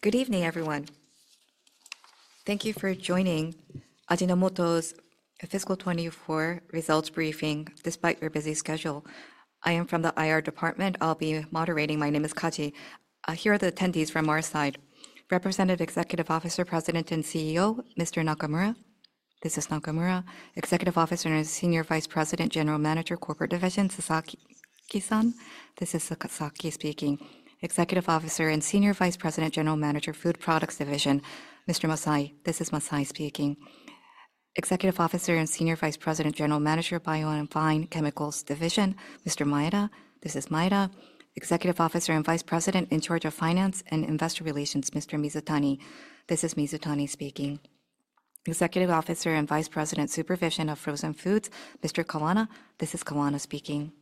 Good evening, everyone. Thank you for joining Ajinomoto's Fiscal 2024 results briefing, despite their busy schedule. I am from the IR Department. I'll be moderating. My name is Kaji. Here are the attendees from our side. Representative Executive Officer, President and CEO, Mr. Nakamura. This is Nakamura. Executive Officer and Senior Vice President, General Manager, Corporate Division, Sasaki-san. This is Sasaki speaking. Executive Officer and Senior Vice President, General Manager, Food Products Division, Mr. Masai. This is Masai speaking. Executive Officer and Senior Vice President, General Manager, Bio and Fine Chemicals Division, Mr. Maeda. This is Maeda. Executive Officer and Vice President in Charge of Finance and Investor Relations, Mr. Mizutani. This is Mizutani speaking. Executive Officer and Vice President Supervision of Frozen Foods, Mr. Kawana. This is Kawana speaking.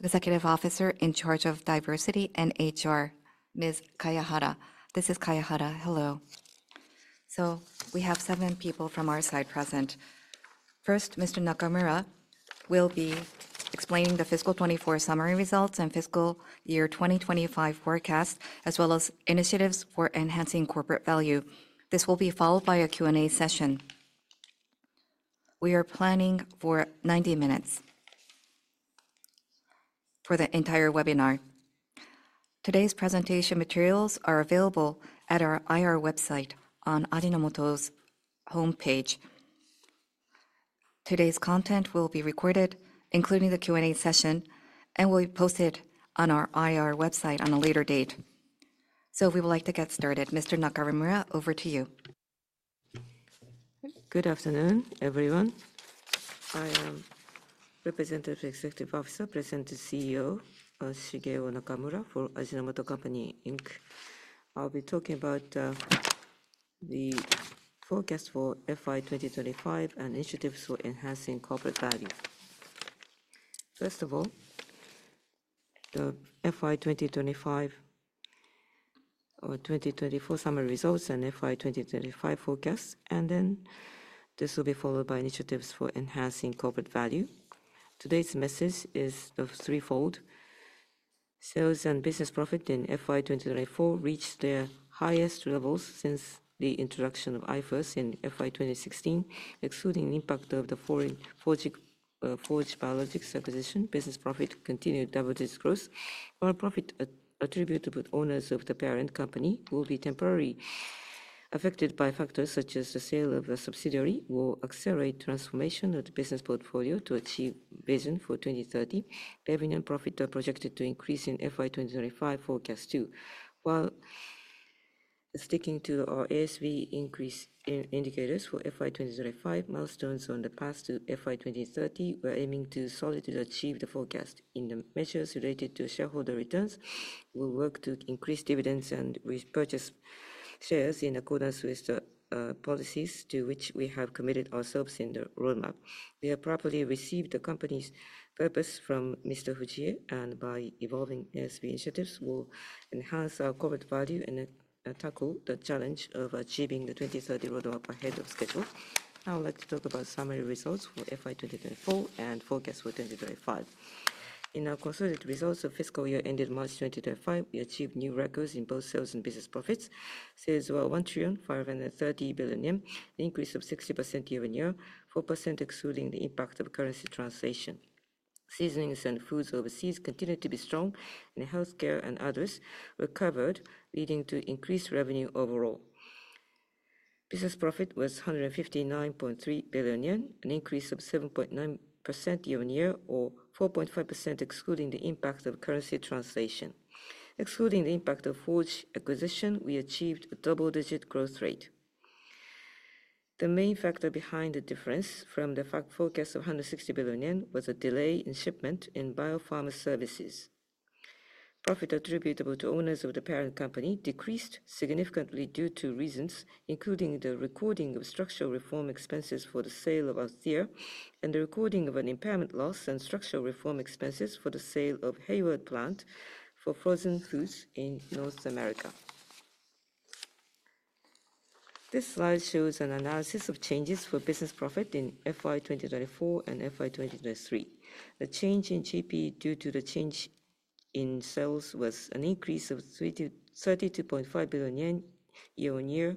Executive Officer in Charge of Diversity and HR, Ms. Kayahara. This is Kayahara. Hello. We have seven people from our side present. First, Mr. Nakamura will be explaining the Fiscal 2024 summary results and Fiscal Year 2025 forecast, as well as initiatives for enhancing corporate value. This will be followed by a Q&A session. We are planning for 90 minutes for the entire webinar. Today's presentation materials are available at our IR website on Ajinomoto's homepage. Today's content will be recorded, including the Q&A session, and will be posted on our IR website at a later date. We would like to get started. Mr. Nakamura, over to you. Good afternoon, everyone. I am Representative Executive Officer, President and CEO, Shigeo Nakamura for Ajinomoto Co Inc. I'll be talking about the forecast for FY 2025 and initiatives for enhancing corporate value. First of all, the FY 2025 or 2024 summary results and FY 2025 forecast, and then this will be followed by initiatives for enhancing corporate value. Today's message is threefold. Sales and business profit in FY 2024 reached their highest levels since the introduction of IFRS in FY 2016, excluding the impact of the Forge Biologics acquisition. Business profit continued double-digit growth. While profit attributed to owners of the parent company will be temporarily affected by factors such as the sale of a subsidiary, it will accelerate transformation of the business portfolio to achieve vision for 2030. Revenue and profit are projected to increase in FY 2025 forecast too. While sticking to our ASV increase indicators for FY 2025, milestones on the path to FY 2030, we're aiming to solidly achieve the forecast. In the measures related to shareholder returns, we'll work to increase dividends and repurchase shares in accordance with the policies to which we have committed ourselves in the roadmap. We have properly received the company's purpose from Mr. Fujie, and by evolving ASV initiatives, we'll enhance our corporate value and tackle the challenge of achieving the 2030 roadmap ahead of schedule. Now I'd like to talk about summary results for FY 2024 and forecast for 2025. In our consolidated results of fiscal year ended March 2025, we achieved new records in both sales and business profits. Sales were 1,530 billion yen, an increase of 60% year on year, 4% excluding the impact of currency translation. Seasonings and foods overseas continued to be strong, and healthcare and others recovered, leading to increased revenue overall. Business profit was 159.3 billion yen, an increase of 7.9% year on year, or 4.5% excluding the impact of currency translation. Excluding the impact of Forge acquisition, we achieved a double-digit growth rate. The main factor behind the difference from the forecast of 160 billion yen was a delay in shipment in biopharma services. Profit attributable to owners of the parent company decreased significantly due to reasons including the recording of structural reform expenses for the sale of Althea and the recording of an impairment loss and structural reform expenses for the sale of Hayward Plant for frozen foods in North America. This slide shows an analysis of changes for business profit in FY 2024 and FY 2023. The change in GP due to the change in sales was an increase of 32.5 billion yen year-on-year.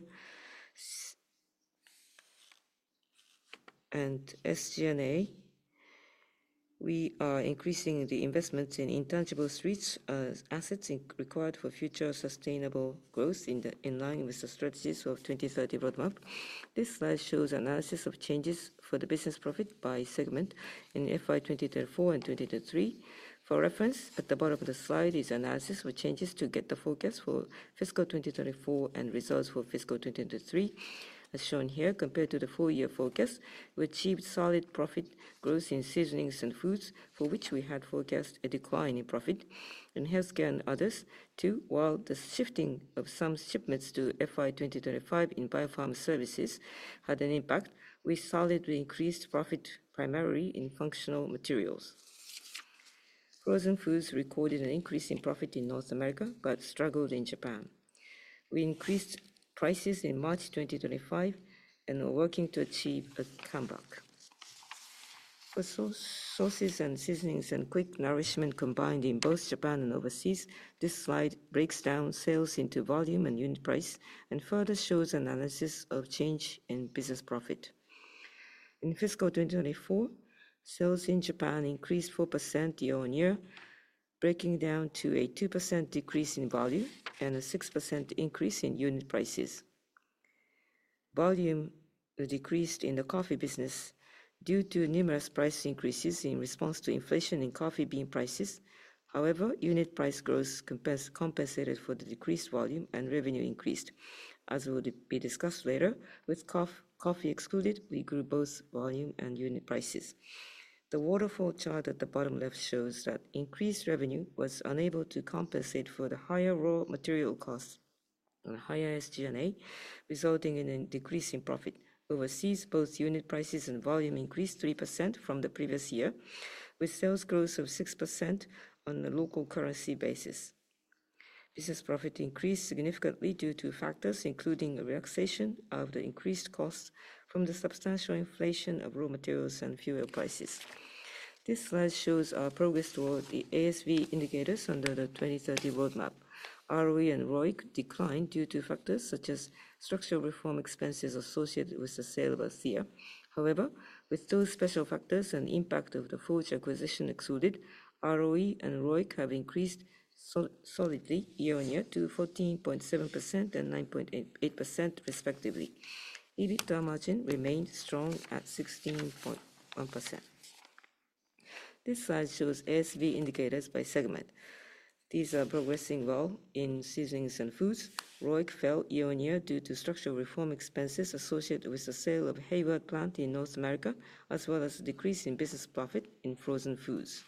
SG&A, we are increasing the investment in intangible strategic assets required for future sustainable growth in line with the strategies of the 2030 roadmap. This slide shows an analysis of changes for the business profit by segment in FY 2024 and 2023. For reference, at the bottom of the slide is an analysis with changes to get the forecast for fiscal 2024 and results for fiscal 2023, as shown here, compared to the four-year forecast. We achieved solid profit growth in seasonings and foods, for which we had forecast a decline in profit, enhanced gain others too. While the shifting of some shipments to FY 2025 in biopharma services had an impact, we solidly increased profit primarily in functional materials. Frozen foods recorded an increase in profit in North America but struggled in Japan. We increased prices in March 2025 and are working to achieve a comeback. For sources and seasonings and quick nourishment combined in both Japan and overseas, this slide breaks down sales into volume and unit price and further shows analysis of change in business profit. In fiscal 2024, sales in Japan increased 4% year-on-year, breaking down to a 2% decrease in volume and a 6% increase in unit prices. Volume decreased in the coffee business due to numerous price increases in response to inflation in coffee bean prices. However, unit price growth compensated for the decreased volume and revenue increased, as will be discussed later. With coffee excluded, we grew both volume and unit prices. The waterfall chart at the bottom left shows that increased revenue was unable to compensate for the higher raw material costs and higher SG&A, resulting in a decrease in profit. Overseas, both unit prices and volume increased 3% from the previous year, with sales growth of 6% on a local currency basis. Business profit increased significantly due to factors including a relaxation of the increased costs from the substantial inflation of raw materials and fuel prices. This slide shows our progress toward the ASV indicators under the 2030 roadmap. ROE and ROIC declined due to factors such as structural reform expenses associated with the sale of Althea. However, with those special factors and the impact of the Forge acquisition excluded, ROE and ROIC have increased solidly year-on-year to 14.7% and 9.8%, respectively. EBITDA margin remained strong at 16.1%. This slide shows ASV indicators by segment. These are progressing well in seasonings and foods. ROIC fell year on year due to structural reform expenses associated with the sale of Hayward Plant in North America, as well as a decrease in business profit in frozen foods.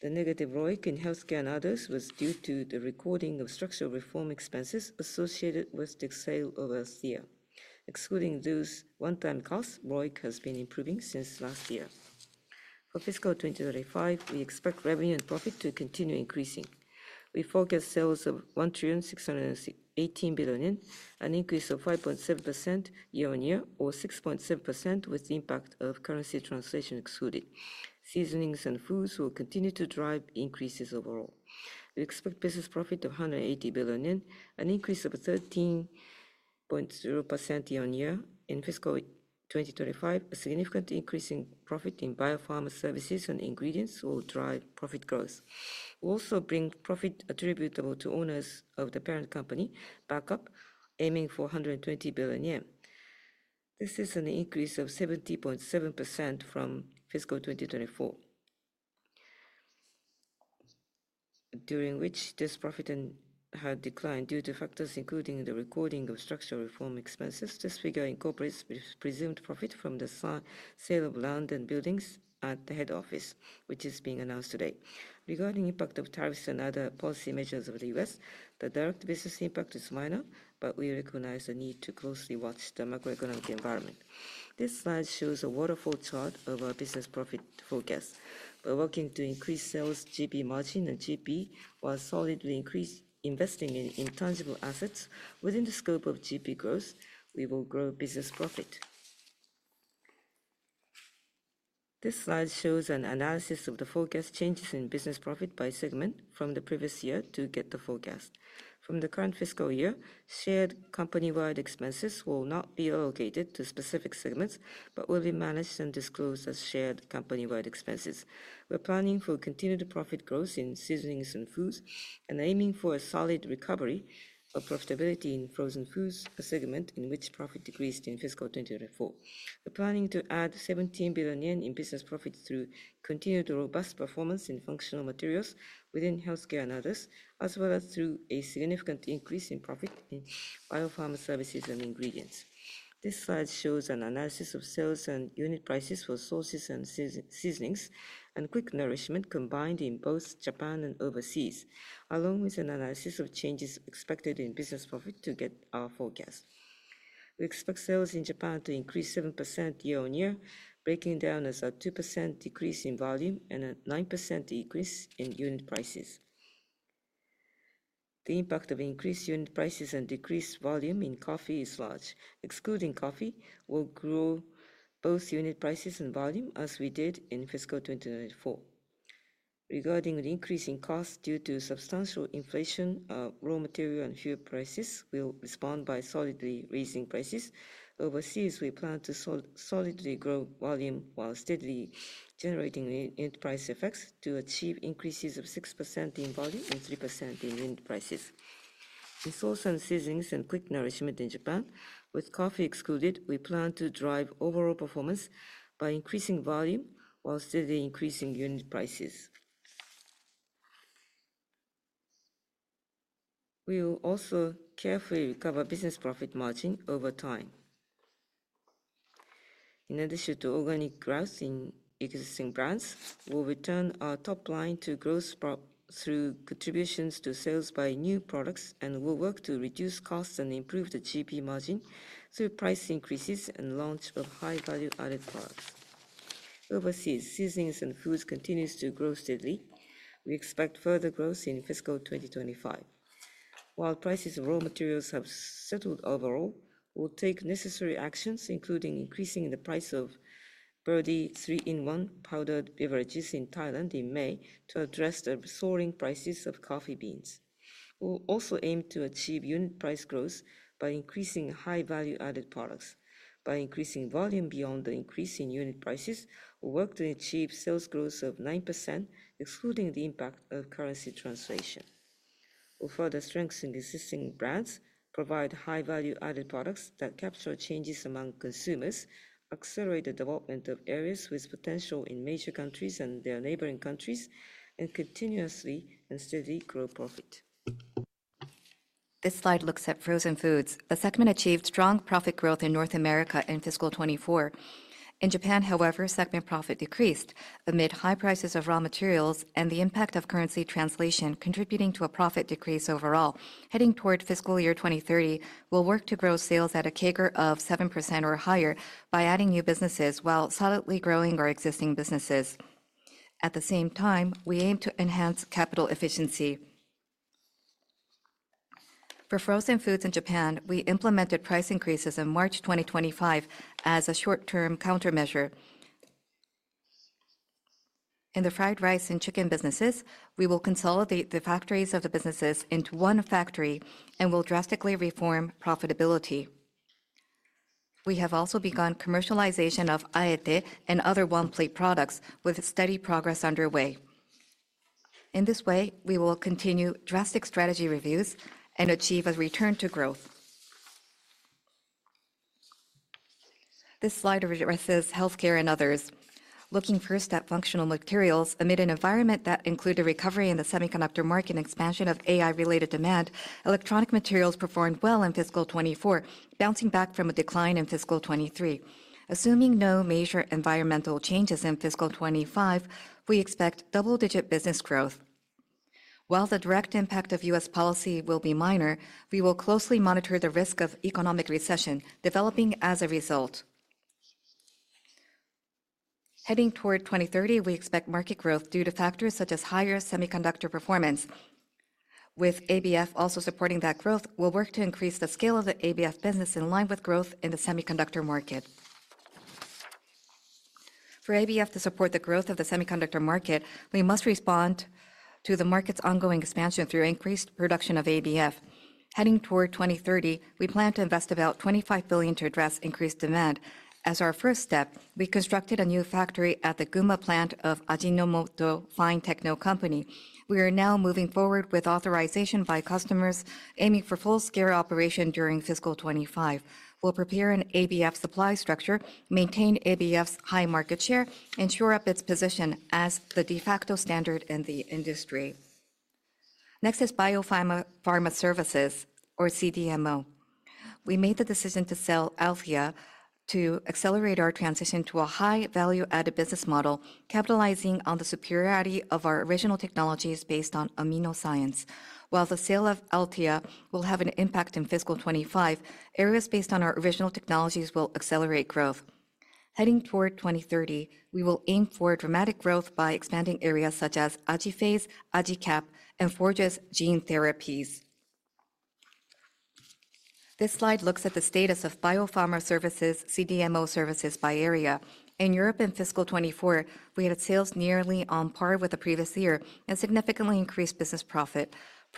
The negative ROIC in healthcare and others was due to the recording of structural reform expenses associated with the sale of Althea. Excluding those one-time costs, ROIC has been improving since last year. For fiscal 2025, we expect revenue and profit to continue increasing. We forecast sales of 1,618 billion, an increase of 5.7% year-on-year, or 6.7% with the impact of currency translation excluded. Seasonings and foods will continue to drive increases overall. We expect business profit of 180 billion, an increase of 13.0% year on year. In fiscal 2025, a significant increase in profit in biopharma services and ingredients will drive profit growth. We'll also bring profit attributable to owners of the parent company back up, aiming for 120 billion yen. This is an increase of 70.7% from fiscal 2024, during which this profit had declined due to factors including the recording of structural reform expenses. This figure incorporates presumed profit from the sale of land and buildings at the head office, which is being announced today. Regarding the impact of tariffs and other policy measures of the U.S., the direct business impact is minor, but we recognize the need to closely watch the macroeconomic environment. This slide shows a waterfall chart of our business profit forecast. We're working to increase sales GP margin and GP while solidly increasing investing in intangible assets. Within the scope of GP growth, we will grow business profit. This slide shows an analysis of the forecast changes in business profit by segment from the previous year to get the forecast. From the current fiscal year, shared company-wide expenses will not be allocated to specific segments but will be managed and disclosed as shared company-wide expenses. We're planning for continued profit growth in seasonings and foods and aiming for a solid recovery of profitability in frozen foods, a segment in which profit decreased in fiscal 2024. We're planning to add 17 billion yen in business profit through continued robust performance in functional materials within healthcare and others, as well as through a significant increase in profit in biopharma services and ingredients. This slide shows an analysis of sales and unit prices for sources and seasonings and quick nourishment combined in both Japan and overseas, along with an analysis of changes expected in business profit to get our forecast. We expect sales in Japan to increase 7% year-on-year, breaking down as a 2% decrease in volume and a 9% decrease in unit prices. The impact of increased unit prices and decreased volume in coffee is large. Excluding coffee, we'll grow both unit prices and volume as we did in fiscal 2024. Regarding the increase in costs due to substantial inflation of raw material and fuel prices, we'll respond by solidly raising prices. Overseas, we plan to solidly grow volume while steadily generating unit price effects to achieve increases of 6% in volume and 3% in unit prices. In source and seasonings and quick nourishment in Japan, with coffee excluded, we plan to drive overall performance by increasing volume while steadily increasing unit prices. We will also carefully recover business profit margin over time. In addition to organic growth in existing brands, we'll return our top line to growth through contributions to sales by new products, and we'll work to reduce costs and improve the GP margin through price increases and launch of high-value added products. Overseas, seasonings and foods continue to grow steadily. We expect further growth in fiscal 2025. While prices of raw materials have settled overall, we'll take necessary actions, including increasing the price of Birdy 3-in-1 powdered beverages in Thailand in May to address the soaring prices of coffee beans. We'll also aim to achieve unit price growth by increasing high-value added products. By increasing volume beyond the increase in unit prices, we'll work to achieve sales growth of 9%, excluding the impact of currency translation. We'll further strengthen existing brands, provide high-value added products that capture changes among consumers, accelerate the development of areas with potential in major countries and their neighboring countries, and continuously and steadily grow profit. This slide looks at frozen foods. The segment achieved strong profit growth in North America in fiscal 2024. In Japan, however, segment profit decreased amid high prices of raw materials and the impact of currency translation contributing to a profit decrease overall. Heading toward fiscal year 2030, we'll work to grow sales at a CAGR of 7% or higher by adding new businesses while solidly growing our existing businesses. At the same time, we aim to enhance capital efficiency. For frozen foods in Japan, we implemented price increases in March 2025 as a short-term countermeasure. In the fried rice and chicken businesses, we will consolidate the factories of the businesses into one factory and will drastically reform profitability. We have also begun commercialization of Aete and other warm plate products, with steady progress underway. In this way, we will continue drastic strategy reviews and achieve a return to growth. This slide addresses healthcare and others. Looking first at functional materials, amid an environment that included recovery in the semiconductor market and expansion of AI-related demand, electronic materials performed well in fiscal 2024, bouncing back from a decline in fiscal 2023. Assuming no major environmental changes in fiscal 2025, we expect double-digit business growth. While the direct impact of U.S. policy will be minor, we will closely monitor the risk of economic recession developing as a result. Heading toward 2030, we expect market growth due to factors such as higher semiconductor performance. With ABF also supporting that growth, we'll work to increase the scale of the ABF business in line with growth in the semiconductor market. For ABF to support the growth of the semiconductor market, we must respond to the market's ongoing expansion through increased production of ABF. Heading toward 2030, we plan to invest 25 billion to address increased demand. As our first step, we constructed a new factory at the Guma plant of Ajinomoto Fine-Techno Co. We are now moving forward with authorization by customers, aiming for full-scale operation during fiscal 2025. We'll prepare an ABF supply structure, maintain ABF's high market share, and shore up its position as the de facto standard in the industry. Next is Bio-Pharma Services, or CDMO. We made the decision to sell Althea to accelerate our transition to a high-value added business model, capitalizing on the superiority of our original technologies based on amino science. While the sale of Althea will have an impact in fiscal 2025, areas based on our original technologies will accelerate growth. Heading toward 2030, we will aim for dramatic growth by expanding areas such as AJIPHASE, AJICAP, and Forge's Gene Therapies. This slide looks at the status of Bio Pharma Services, CDMO services by area. In Europe in fiscal 2024, we had sales nearly on par with the previous year and significantly increased business profit.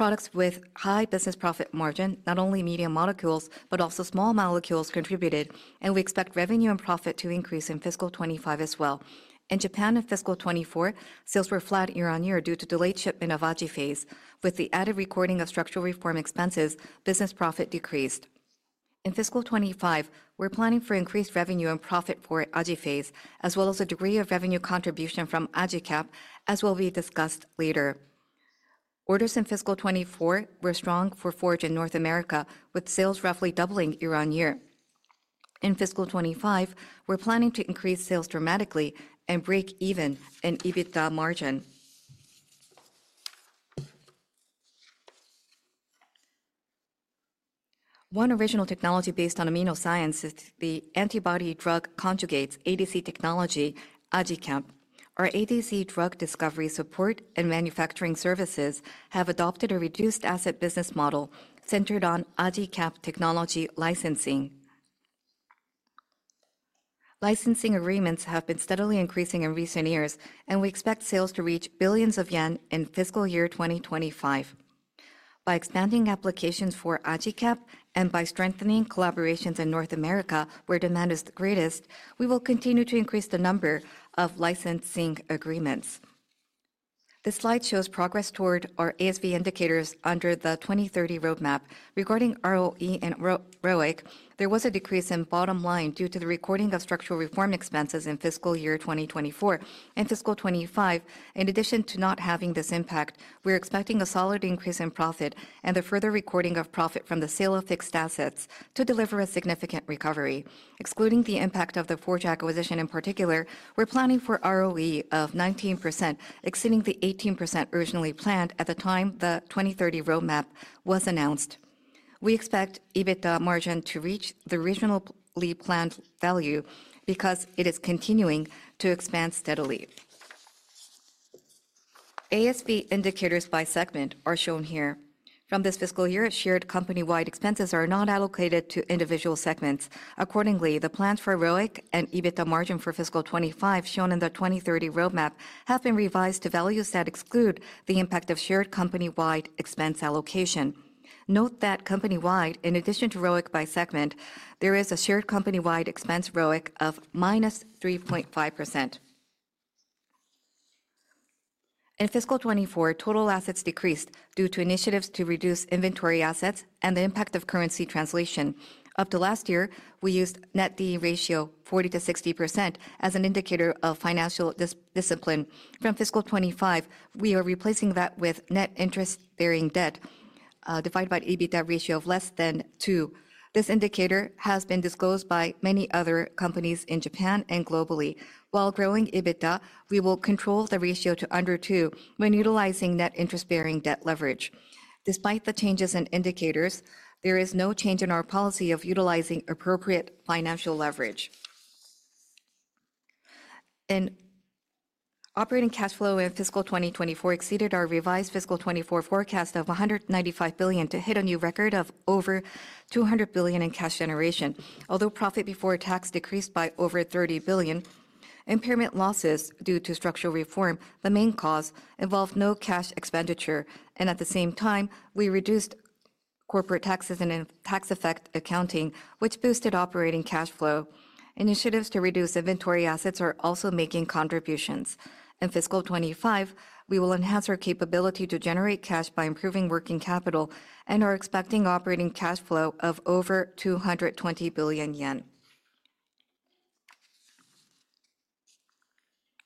Products with high business profit margin, not only medium molecules but also small molecules contributed, and we expect revenue and profit to increase in fiscal 2025 as well. In Japan in fiscal 2024, sales were flat year on year due to delayed shipment of AJIPHASE. With the added recording of structural reform expenses, business profit decreased. In fiscal 2025, we're planning for increased revenue and profit for AJIPHASE, as well as a degree of revenue contribution from AJICAP, as will be discussed later. Orders in fiscal 2024 were strong for Forge in North America, with sales roughly doubling year on year. In fiscal 2025, we're planning to increase sales dramatically and break even in EBITDA margin. One original technology based on amino science is the antibody drug conjugates, ADC technology, AJICAP. Our ADC drug discovery support and manufacturing services have adopted a reduced asset business model centered on AJICAP technology licensing. Licensing agreements have been steadily increasing in recent years, and we expect sales to reach billions of JPY in fiscal year 2025. By expanding applications for AJICAP and by strengthening collaborations in North America, where demand is the greatest, we will continue to increase the number of licensing agreements. This slide shows progress toward our ASV indicators under the 2030 roadmap. Regarding ROE and ROIC, there was a decrease in bottom line due to the recording of structural reform expenses in fiscal year 2024. In fiscal 2025, in addition to not having this impact, we're expecting a solid increase in profit and the further recording of profit from the sale of fixed assets to deliver a significant recovery. Excluding the impact of the Forge acquisition in particular, we're planning for ROE of 19%, exceeding the 18% originally planned at the time the 2030 roadmap was announced. We expect EBITDA margin to reach the regionally planned value because it is continuing to expand steadily. ASV indicators by segment are shown here. From this fiscal year, shared company-wide expenses are not allocated to individual segments. Accordingly, the plans for ROIC and EBITDA margin for fiscal 2025 shown in the 2030 roadmap have been revised to values that exclude the impact of shared company-wide expense allocation. Note that company-wide, in addition to ROIC by segment, there is a shared company-wide expense ROIC of -3.5%. In fiscal 2024, total assets decreased due to initiatives to reduce inventory assets and the impact of currency translation. Up to last year, we used net D/E ratio 40%-60% as an indicator of financial discipline. From fiscal 2025, we are replacing that with net interest-bearing debt divided by EBITDA ratio of less than two. This indicator has been disclosed by many other companies in Japan and globally. While growing EBITDA, we will control the ratio to under two when utilizing net interest-bearing debt leverage. Despite the changes in indicators, there is no change in our policy of utilizing appropriate financial leverage. In operating cash flow in fiscal 2024, we exceeded our revised fiscal 2024 forecast of 195 billion to hit a new record of over 200 billion in cash generation. Although profit before tax decreased by over 30 billion, impairment losses due to structural reform, the main cause, involved no cash expenditure. At the same time, we reduced corporate taxes and tax-effect accounting, which boosted operating cash flow. Initiatives to reduce inventory assets are also making contributions. In fiscal 2025, we will enhance our capability to generate cash by improving working capital and are expecting operating cash flow of over 220 billion yen.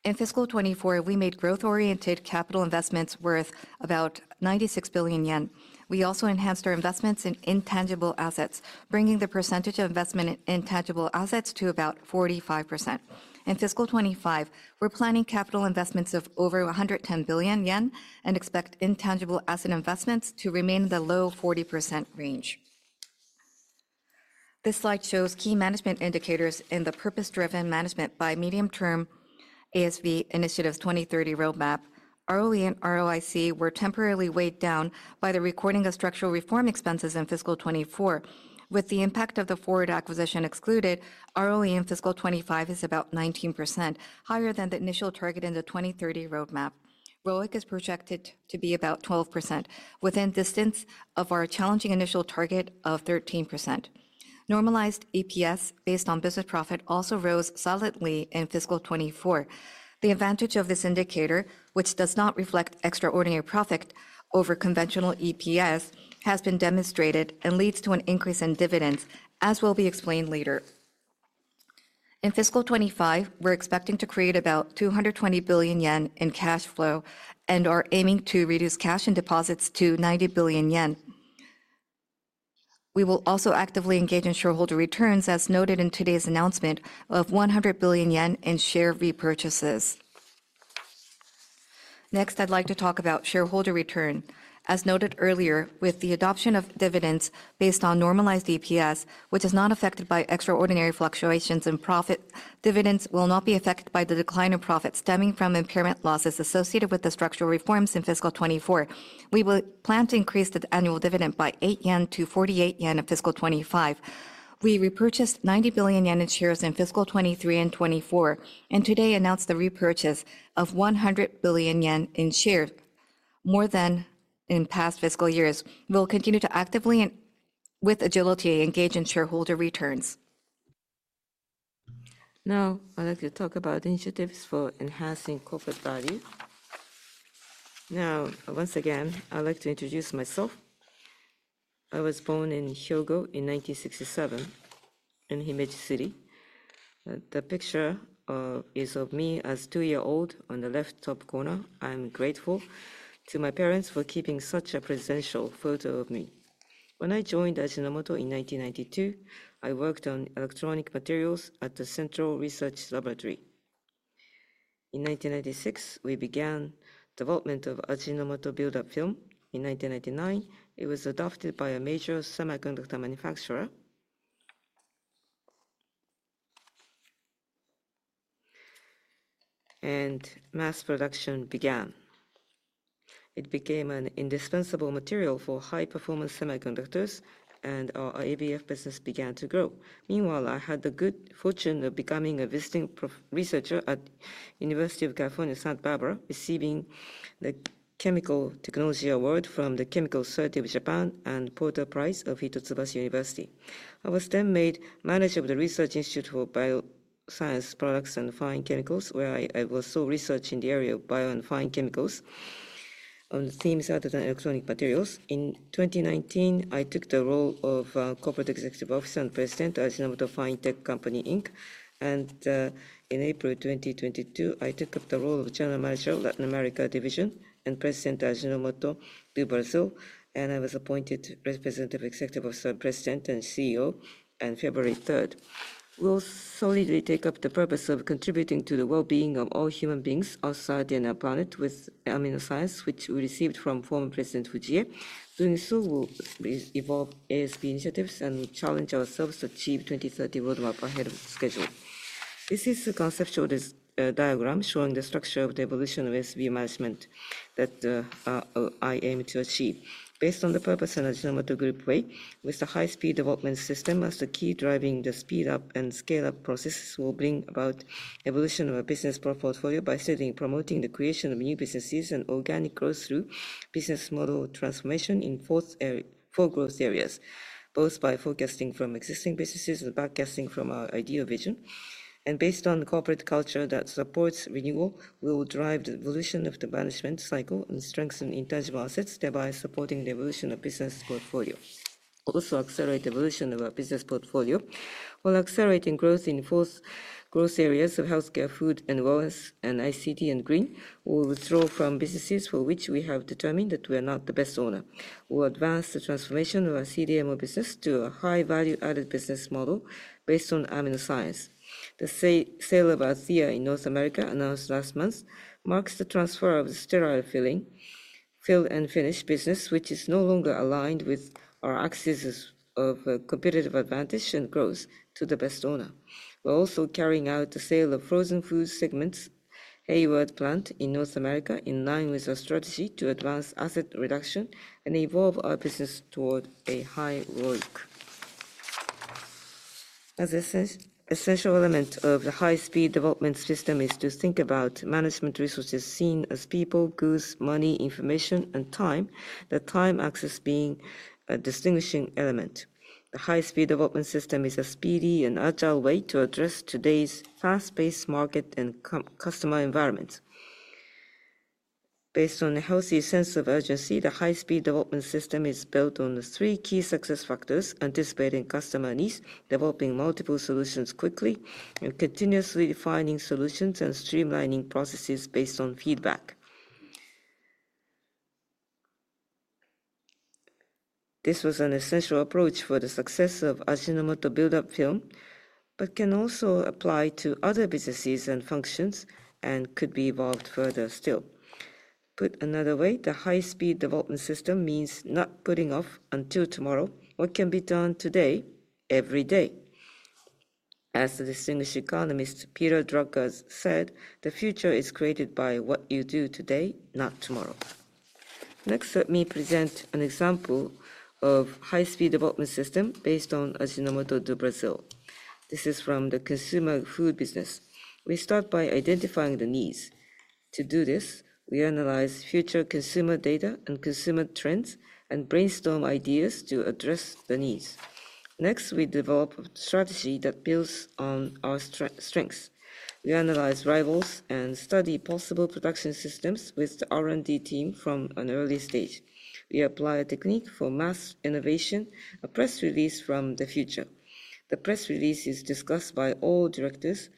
In fiscal 2024, we made growth-oriented capital investments worth about 96 billion yen. We also enhanced our investments in intangible assets, bringing the percentage of investment in intangible assets to about 45%. In fiscal 2025, we're planning capital investments of over 110 billion yen and expect intangible asset investments to remain in the low 40% range. This slide shows key management indicators in the purpose-driven management by medium-term ASV initiatives 2030 roadmap. ROE and ROIC were temporarily weighed down by the recording of structural reform expenses in fiscal 2024. With the impact of the Forge acquisition excluded, ROE in fiscal 2025 is about 19%, higher than the initial target in the 2030 roadmap. ROIC is projected to be about 12%, within distance of our challenging initial target of 13%. Normalized EPS based on business profit also rose solidly in fiscal 2024. The advantage of this indicator, which does not reflect extraordinary profit over conventional EPS, has been demonstrated and leads to an increase in dividends, as will be explained later. In fiscal 2025, we're expecting to create about 220 billion yen in cash flow and are aiming to reduce cash and deposits to 90 billion yen. We will also actively engage in shareholder returns, as noted in today's announcement, of 100 billion yen in share repurchases. Next, I'd like to talk about shareholder return. As noted earlier, with the adoption of dividends based on normalized EPS, which is not affected by extraordinary fluctuations in profit, dividends will not be affected by the decline of profit stemming from impairment losses associated with the structural reforms in fiscal 2024. We will plan to increase the annual dividend by 8-48 yen in fiscal 2025. We repurchased 90 billion yen in shares in fiscal 2023 and 2024, and today announced the repurchase of 100 billion yen in shares, more than in past fiscal years. We'll continue to actively, with agility, engage in shareholder returns. Now, I'd like to talk about initiatives for enhancing corporate value. Now, once again, I'd like to introduce myself. I was born in Hyogo in 1967 in Himeji City. The picture is of me as a two-year-old on the left top corner. I'm grateful to my parents for keeping such a presidential photo of me. When I joined Ajinomoto in 1992, I worked on electronic materials at the Central Research Laboratory. In 1996, we began the development of Ajinomoto Build-up Film. In 1999, it was adopted by a major semiconductor manufacturer, and mass production began. It became an indispensable material for high-performance semiconductors, and our ABF business began to grow. Meanwhile, I had the good fortune of becoming a visiting researcher at the University of California, Santa Barbara, receiving the Chemical Technology Award from the Chemical Society of Japan and Porter Prize of Hitotsubashi University. I was then made manager of the Research Institute for Bioscience Products and Fine Chemicals, where I was researching the area of bio and fine chemicals on themes other than electronic materials. In 2019, I took the role of Corporate Executive Officer and President at Ajinomoto Fine-Techno Co Inc. And in April 2022, I took up the role of General Manager of Latin America Division and President at Ajinomoto do Brasil, and I was appointed Representative Executive Officer and President and CEO on February 3rd. We will solidly take up the purpose of contributing to the well-being of all human beings outside the inner planet with amino science, which we received from former President Fujie. Doing so, we will evolve ASV initiatives and challenge ourselves to achieve 2030 roadmap ahead of schedule. This is a conceptual diagram showing the structure of the evolution of ASV management that I aim to achieve. Based on the purpose and Ajinomoto Group way, with the high-speed development system as the key driving the speed-up and scale-up processes, we will bring about the evolution of a business portfolio by steadily promoting the creation of new businesses and organic growth through business model transformation in four growth areas, both by forecasting from existing businesses and forecasting from our ideal vision. Based on the corporate culture that supports renewal, we will drive the evolution of the management cycle and strengthen intangible assets, thereby supporting the evolution of the business portfolio. We will also accelerate the evolution of our business portfolio while accelerating growth in four growth areas of healthcare, food and wellness, and ICT and green. We will withdraw from businesses for which we have determined that we are not the best owner. We will advance the transformation of our CDMO business to a high-value added business model based on amino science. The sale of Althea in North America, announced last month, marks the transfer of the sterile filling fill and finish business, which is no longer aligned with our axis of competitive advantage and growth to the best owner. We're also carrying out the sale of frozen food segments, Hayward Plant, in North America, in line with our strategy to advance asset reduction and evolve our business toward a high ROIC. As an essential element of the high-speed development system, it is to think about management resources seen as people, goods, money, information, and time, the time axis being a distinguishing element. The high-speed development system is a speedy and agile way to address today's fast-paced market and customer environment. Based on a healthy sense of urgency, the high-speed development system is built on the three key success factors: anticipating customer needs, developing multiple solutions quickly, and continuously defining solutions and streamlining processes based on feedback. This was an essential approach for the success of Ajinomoto Build-up Film, but can also apply to other businesses and functions and could be evolved further still. Put another way, the high-speed development system means not putting off until tomorrow what can be done today, every day. As the distinguished economist Peter Drucker said, "The future is created by what you do today, not tomorrow." Next, let me present an example of a high-speed development system based on Ajinomoto do Brasil. This is from the consumer food business. We start by identifying the needs. To do this, we analyze future consumer data and consumer trends and brainstorm ideas to address the needs. Next, we develop a strategy that builds on our strengths. We analyze rivals and study possible production systems with the R&D team from an early stage. We apply a technique for mass innovation, a press release from the future. The press release is discussed by all directors.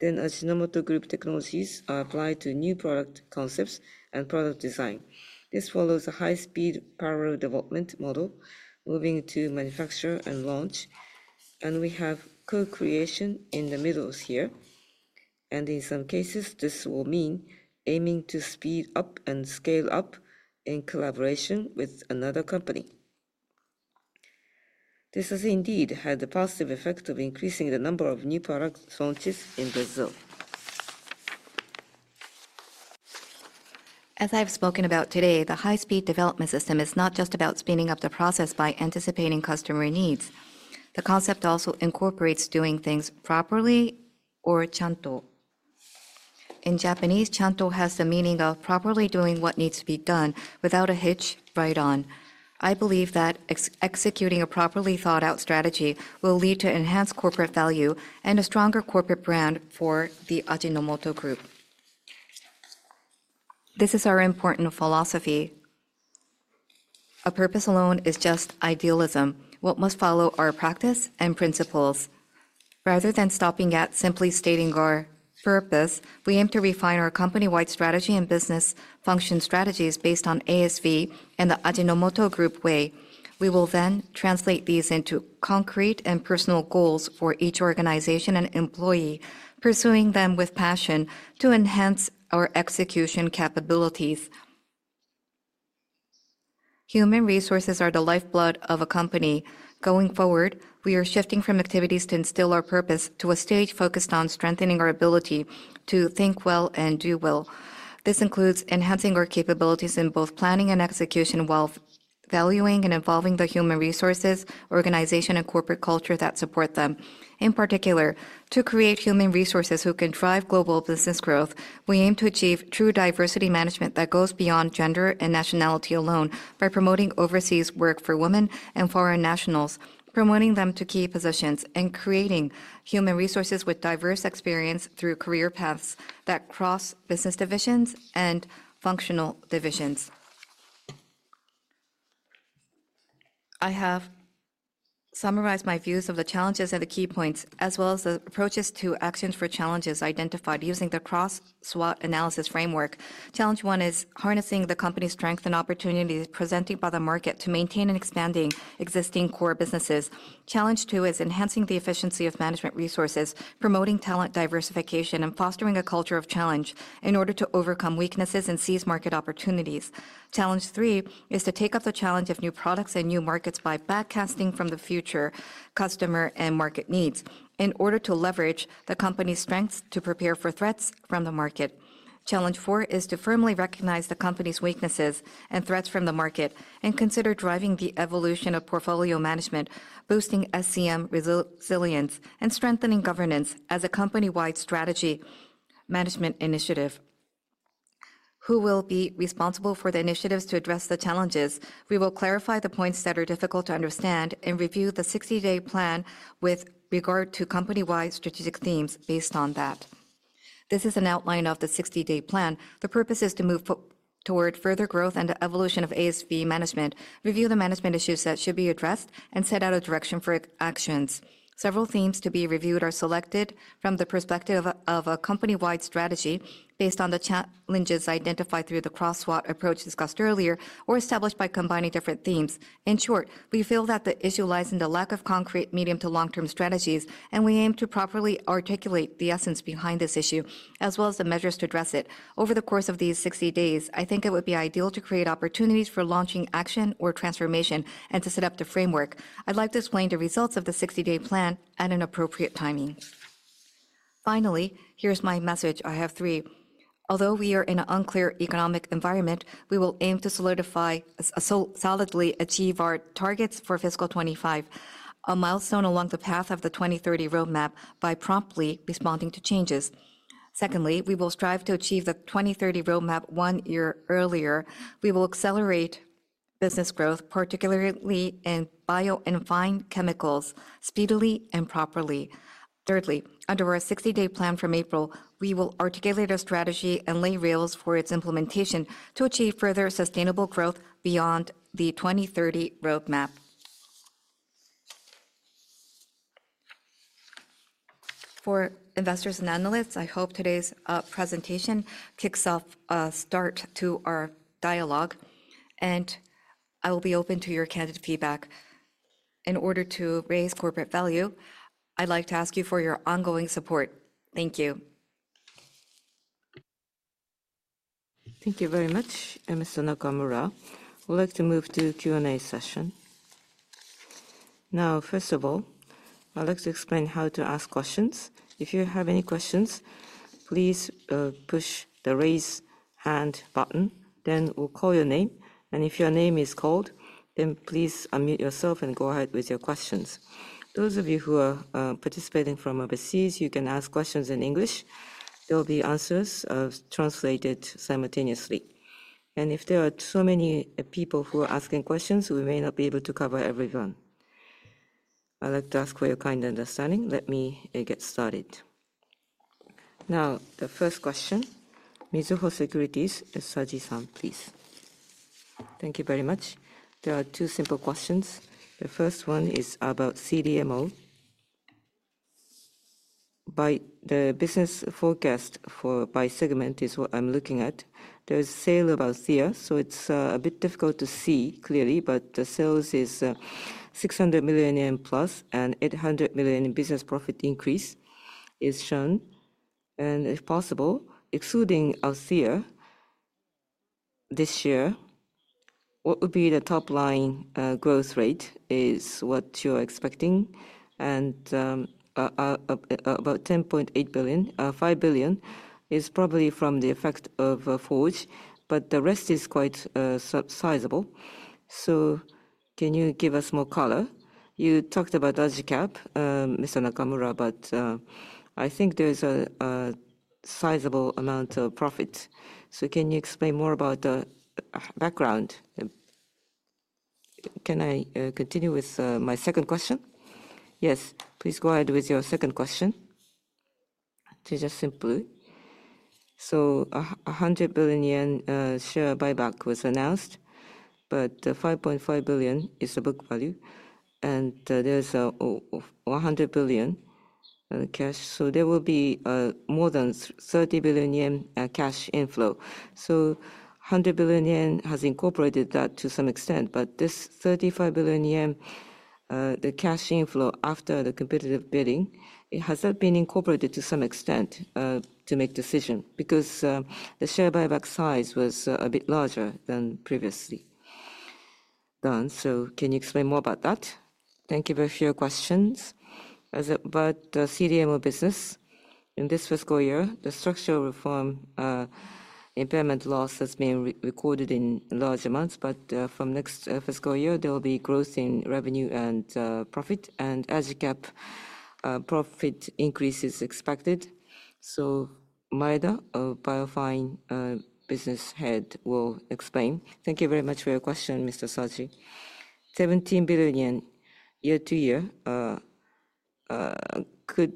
Ajinomoto Group technologies are applied to new product concepts and product design. This follows a high-speed parallel development model, moving to manufacture and launch. We have co-creation in the middle here. In some cases, this will mean aiming to speed up and scale up in collaboration with another company. This has indeed had the positive effect of increasing the number of new product launches in Brazil. As I've spoken about today, the high-speed development system is not just about speeding up the process by anticipating customer needs. The concept also incorporates doing things properly or chanto. In Japanese, chanto has the meaning of properly doing what needs to be done without a hitch right on. I believe that executing a properly thought-out strategy will lead to enhanced corporate value and a stronger corporate brand for the Ajinomoto Group. This is our important philosophy. A purpose alone is just idealism. What must follow are practice and principles. Rather than stopping at simply stating our purpose, we aim to refine our company-wide strategy and business function strategies based on ASV and the Ajinomoto Group way. We will then translate these into concrete and personal goals for each organization and employee, pursuing them with passion to enhance our execution capabilities. Human resources are the lifeblood of a company. Going forward, we are shifting from activities to instill our purpose to a stage focused on strengthening our ability to think well and do well. This includes enhancing our capabilities in both planning and execution while valuing and involving the human resources, organization, and corporate culture that support them. In particular, to create human resources who can drive global business growth, we aim to achieve true diversity management that goes beyond gender and nationality alone by promoting overseas work for women and foreign nationals, promoting them to key positions, and creating human resources with diverse experience through career paths that cross business divisions and functional divisions. I have summarized my views of the challenges and the key points, as well as the approaches to actions for challenges identified using the cross-swot analysis framework. Challenge one is harnessing the company's strength and opportunities presented by the market to maintain and expand existing core businesses. Challenge two is enhancing the efficiency of management resources, promoting talent diversification, and fostering a culture of challenge in order to overcome weaknesses and seize market opportunities. Challenge three is to take up the challenge of new products and new markets by backcasting from the future customer and market needs in order to leverage the company's strengths to prepare for threats from the market. Challenge four is to firmly recognize the company's weaknesses and threats from the market and consider driving the evolution of portfolio management, boosting SCM resilience, and strengthening governance as a company-wide strategy management initiative. Who will be responsible for the initiatives to address the challenges? We will clarify the points that are difficult to understand and review the 60-day plan with regard to company-wide strategic themes based on that. This is an outline of the 60-day plan. The purpose is to move toward further growth and the evolution of ASV management, review the management issues that should be addressed, and set out a direction for actions. Several themes to be reviewed are selected from the perspective of a company-wide strategy based on the challenges identified through the cross-SWOT approach discussed earlier or established by combining different themes. In short, we feel that the issue lies in the lack of concrete medium-to-long-term strategies, and we aim to properly articulate the essence behind this issue, as well as the measures to address it. Over the course of these 60 days, I think it would be ideal to create opportunities for launching action or transformation and to set up the framework. I'd like to explain the results of the 60-day plan at an appropriate timing. Finally, here's my message. I have three. Although we are in an unclear economic environment, we will aim to solidify and solidly achieve our targets for fiscal 2025, a milestone along the path of the 2030 roadmap by promptly responding to changes. Secondly, we will strive to achieve the 2030 roadmap one year earlier. We will accelerate business growth, particularly in bio and fine chemicals, speedily and properly. Thirdly, under our 60-day plan from April, we will articulate a strategy and lay rails for its implementation to achieve further sustainable growth beyond the 2030 roadmap. For investors and analysts, I hope today's presentation kicks off a start to our dialogue, and I will be open to your candid feedback. In order to raise corporate value, I'd like to ask you for your ongoing support. Thank you. Thank you very much, Mr. Nakamura. We'd like to move to the Q&A session. First of all, I'd like to explain how to ask questions. If you have any questions, please push the raise hand button. We will call your name. If your name is called, please unmute yourself and go ahead with your questions. Those of you who are participating from overseas, you can ask questions in English. There will be answers translated simultaneously. If there are too many people who are asking questions, we may not be able to cover everyone. I'd like to ask for your kind understanding. Let me get started. Now, the first question, Mizuho Securities, Saji-san, please. Thank you very much. There are two simple questions. The first one is about CDMO. The business forecast for by segment is what I'm looking at. There is sale of Althea, so it's a bit difficult to see clearly, but the sales is 600 million yen plus and 800 million business profit increase is shown. If possible, excluding Althea this year, what would be the top line growth rate is what you're expecting? About 10.8 billion, 5 billion is probably from the effect of Forge, but the rest is quite sizable. Can you give us more color? You talked about AJICAP, Ms. Nakamura, but I think there's a sizable amount of profit. Can you explain more about the background? Can I continue with my second question? Yes, please go ahead with your second question. It's just simple. A 100 billion yen share buyback was announced, but 5.5 billion is the book value. And there is 100 billion cash. There will be more than 30 billion yen cash inflow. 100 billion yen has incorporated that to some extent, but this 35 billion yen, the cash inflow after the competitive bidding, has that been incorporated to some extent to make the decision? Because the share buyback size was a bit larger than previously done. Can you explain more about that? Thank you both for your questions. About the CDMO business, in this fiscal year, the structural reform impairment loss has been recorded in large amounts, but from next fiscal year, there will be growth in revenue and profit, and AJICAP profit increase is expected. Maeda, our Bio Fine business head, will explain. Thank you very much for your question, Mr. Saji. 17 billion year-to-year could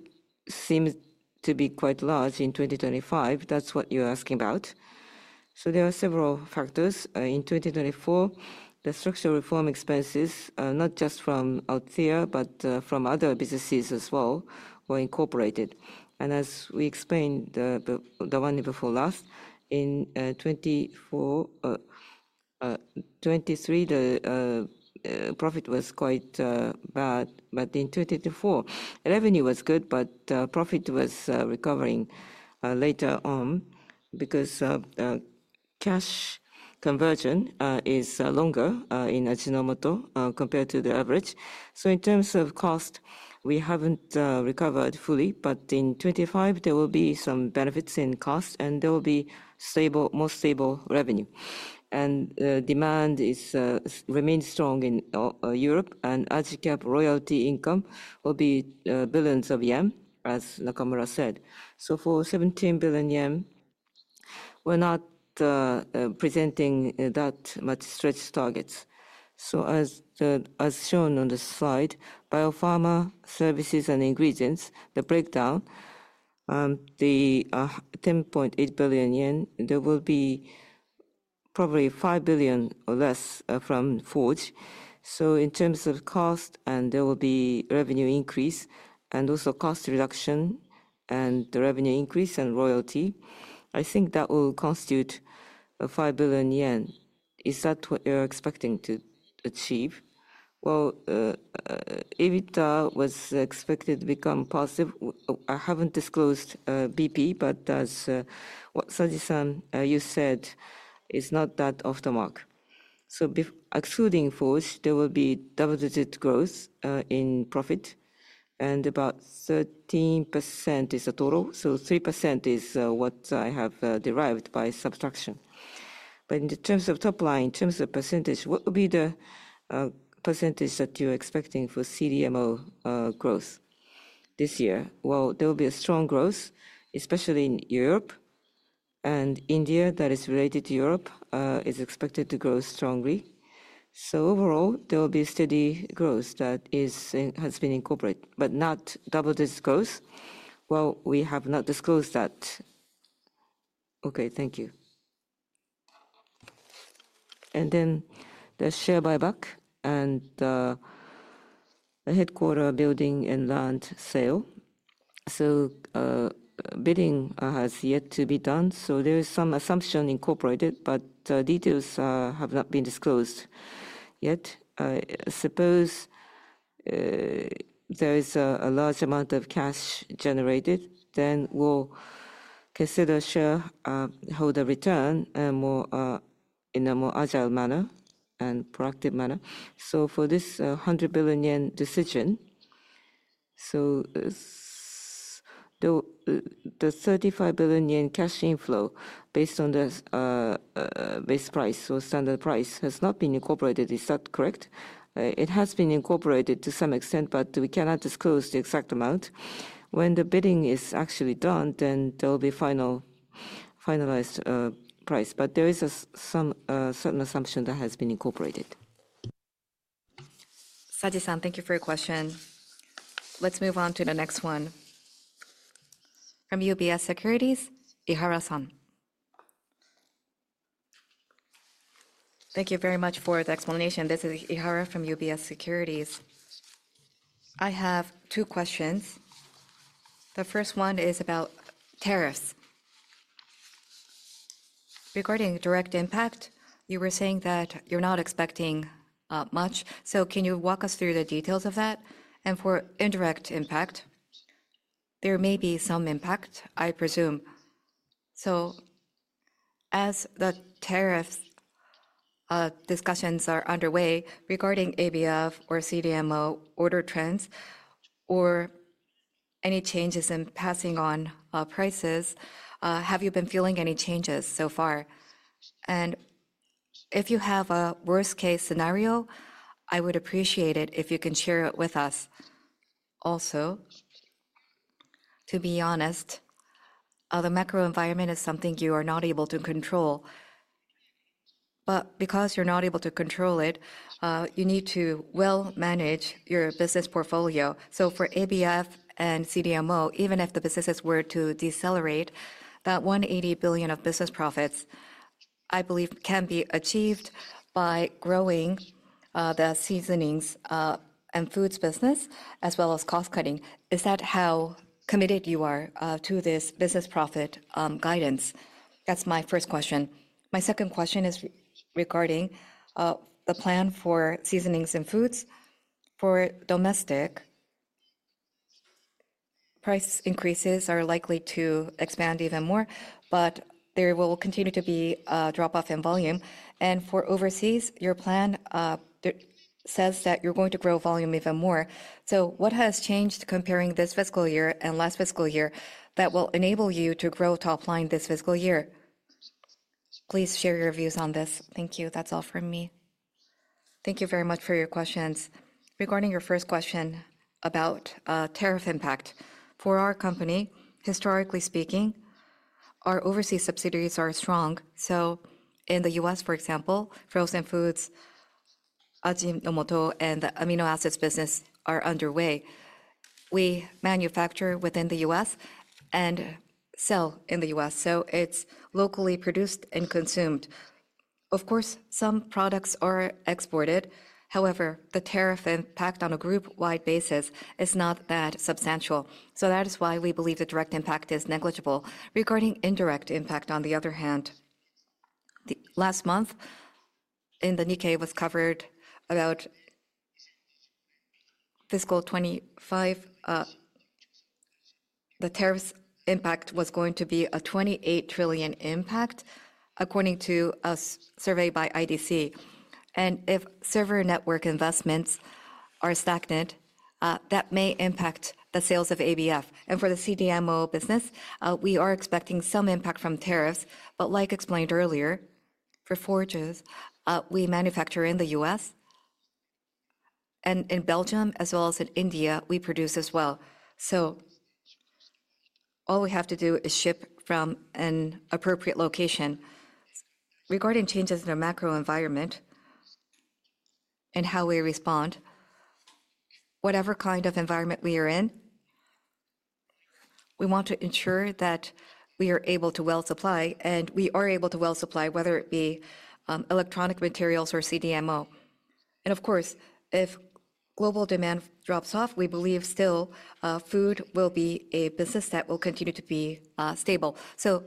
seem to be quite large in 2025. That's what you're asking about. There are several factors. In 2024, the structural reform expenses, not just from Althea, but from other businesses as well, were incorporated. As we explained the one before last, in 2023, the profit was quite bad, but in 2024, the revenue was good, but profit was recovering later on because cash conversion is longer in Ajinomoto compared to the average. In terms of cost, we haven't recovered fully, but in 2025, there will be some benefits in cost, and there will be more stable revenue. Demand remains strong in Europe, and AJICAP royalty income will be billions of JPY, as Nakamura said. For 17 billion yen, we're not presenting that much stretch targets. As shown on the slide, Bio-Pharma Services and ingredients, the breakdown, the 10.8 billion yen, there will be probably 5 billion or less from Forge. In terms of cost, and there will be revenue increase and also cost reduction and revenue increase and royalty, I think that will constitute 5 billion yen. Is that what you're expecting to achieve? EBITDA was expected to become positive. I haven't disclosed BP, but as Saji-san, you said, it's not that off the mark. Excluding Forge, there will be double-digit growth in profit, and about 13% is the total. So 3% is what I have derived by subtraction. In terms of top line, in terms of percentage, what will be the percentage that you're expecting for CDMO growth this year? There will be a strong growth, especially in Europe. India that is related to Europe is expected to grow strongly. Overall, there will be steady growth that has been incorporated, but not double-digit growth. We have not disclosed that. Thank you. The share buyback and the headquarter building and land sale, bidding has yet to be done. There is some assumption incorporated, but details have not been disclosed yet. Suppose there is a large amount of cash generated, then we will consider shareholder return in a more agile manner and proactive manner. For this 100 billion yen decision, the 35 billion yen cash inflow based on the base price or standard price has not been incorporated. Is that correct? It has been incorporated to some extent, but we cannot disclose the exact amount. When the bidding is actually done, then there will be finalized price. There is some certain assumption that has been incorporated. Saji-san, thank you for your question. Let's move on to the next one. From UBS Securities, Ihara-san. Thank you very much for the explanation. This is Ihara from UBS Securities. I have two questions. The first one is about tariffs. Regarding direct impact, you were saying that you're not expecting much. Can you walk us through the details of that? For indirect impact, there may be some impact, I presume. As the tariff discussions are underway regarding ABF or CDMO order trends or any changes in passing on prices, have you been feeling any changes so far? If you have a worst-case scenario, I would appreciate it if you can share it with us. Also, to be honest, the macro environment is something you are not able to control. Because you're not able to control it, you need to well manage your business portfolio. For ABF and CDMO, even if the businesses were to decelerate, that 180 billion of business profits, I believe, can be achieved by growing the seasonings and foods business as well as cost cutting. Is that how committed you are to this business profit guidance? That's my first question. My second question is regarding the plan for seasonings and foods. For domestic, price increases are likely to expand even more, but there will continue to be a drop-off in volume. For overseas, your plan says that you're going to grow volume even more. What has changed comparing this fiscal year and last fiscal year that will enable you to grow top line this fiscal year? Please share your views on this. Thank you. That's all from me. Thank you very much for your questions. Regarding your first question about tariff impact, for our company, historically speaking, our overseas subsidiaries are strong. In the U.S., for example, Frozen Foods, Ajinomoto, and the amino acids business are underway. We manufacture within the U.S. and sell in the U.S. It is locally produced and consumed. Of course, some products are exported. However, the tariff impact on a group-wide basis is not that substantial. That is why we believe the direct impact is negligible. Regarding indirect impact, on the other hand, last month, in the Nikkei, it was covered about fiscal 2025. The tariffs impact was going to be a 28 trillion impact, according to a survey by IDC. If server network investments are stagnant, that may impact the sales of ABF. For the CDMO business, we are expecting some impact from tariffs. Like explained earlier, for Forge Biologics, we manufacture in the U.S. and in Belgium, as well as in India, we produce as well. All we have to do is ship from an appropriate location. Regarding changes in the macro environment and how we respond, whatever kind of environment we are in, we want to ensure that we are able to well supply, and we are able to well supply, whether it be electronic materials or CDMO. Of course, if global demand drops off, we believe still food will be a business that will continue to be stable.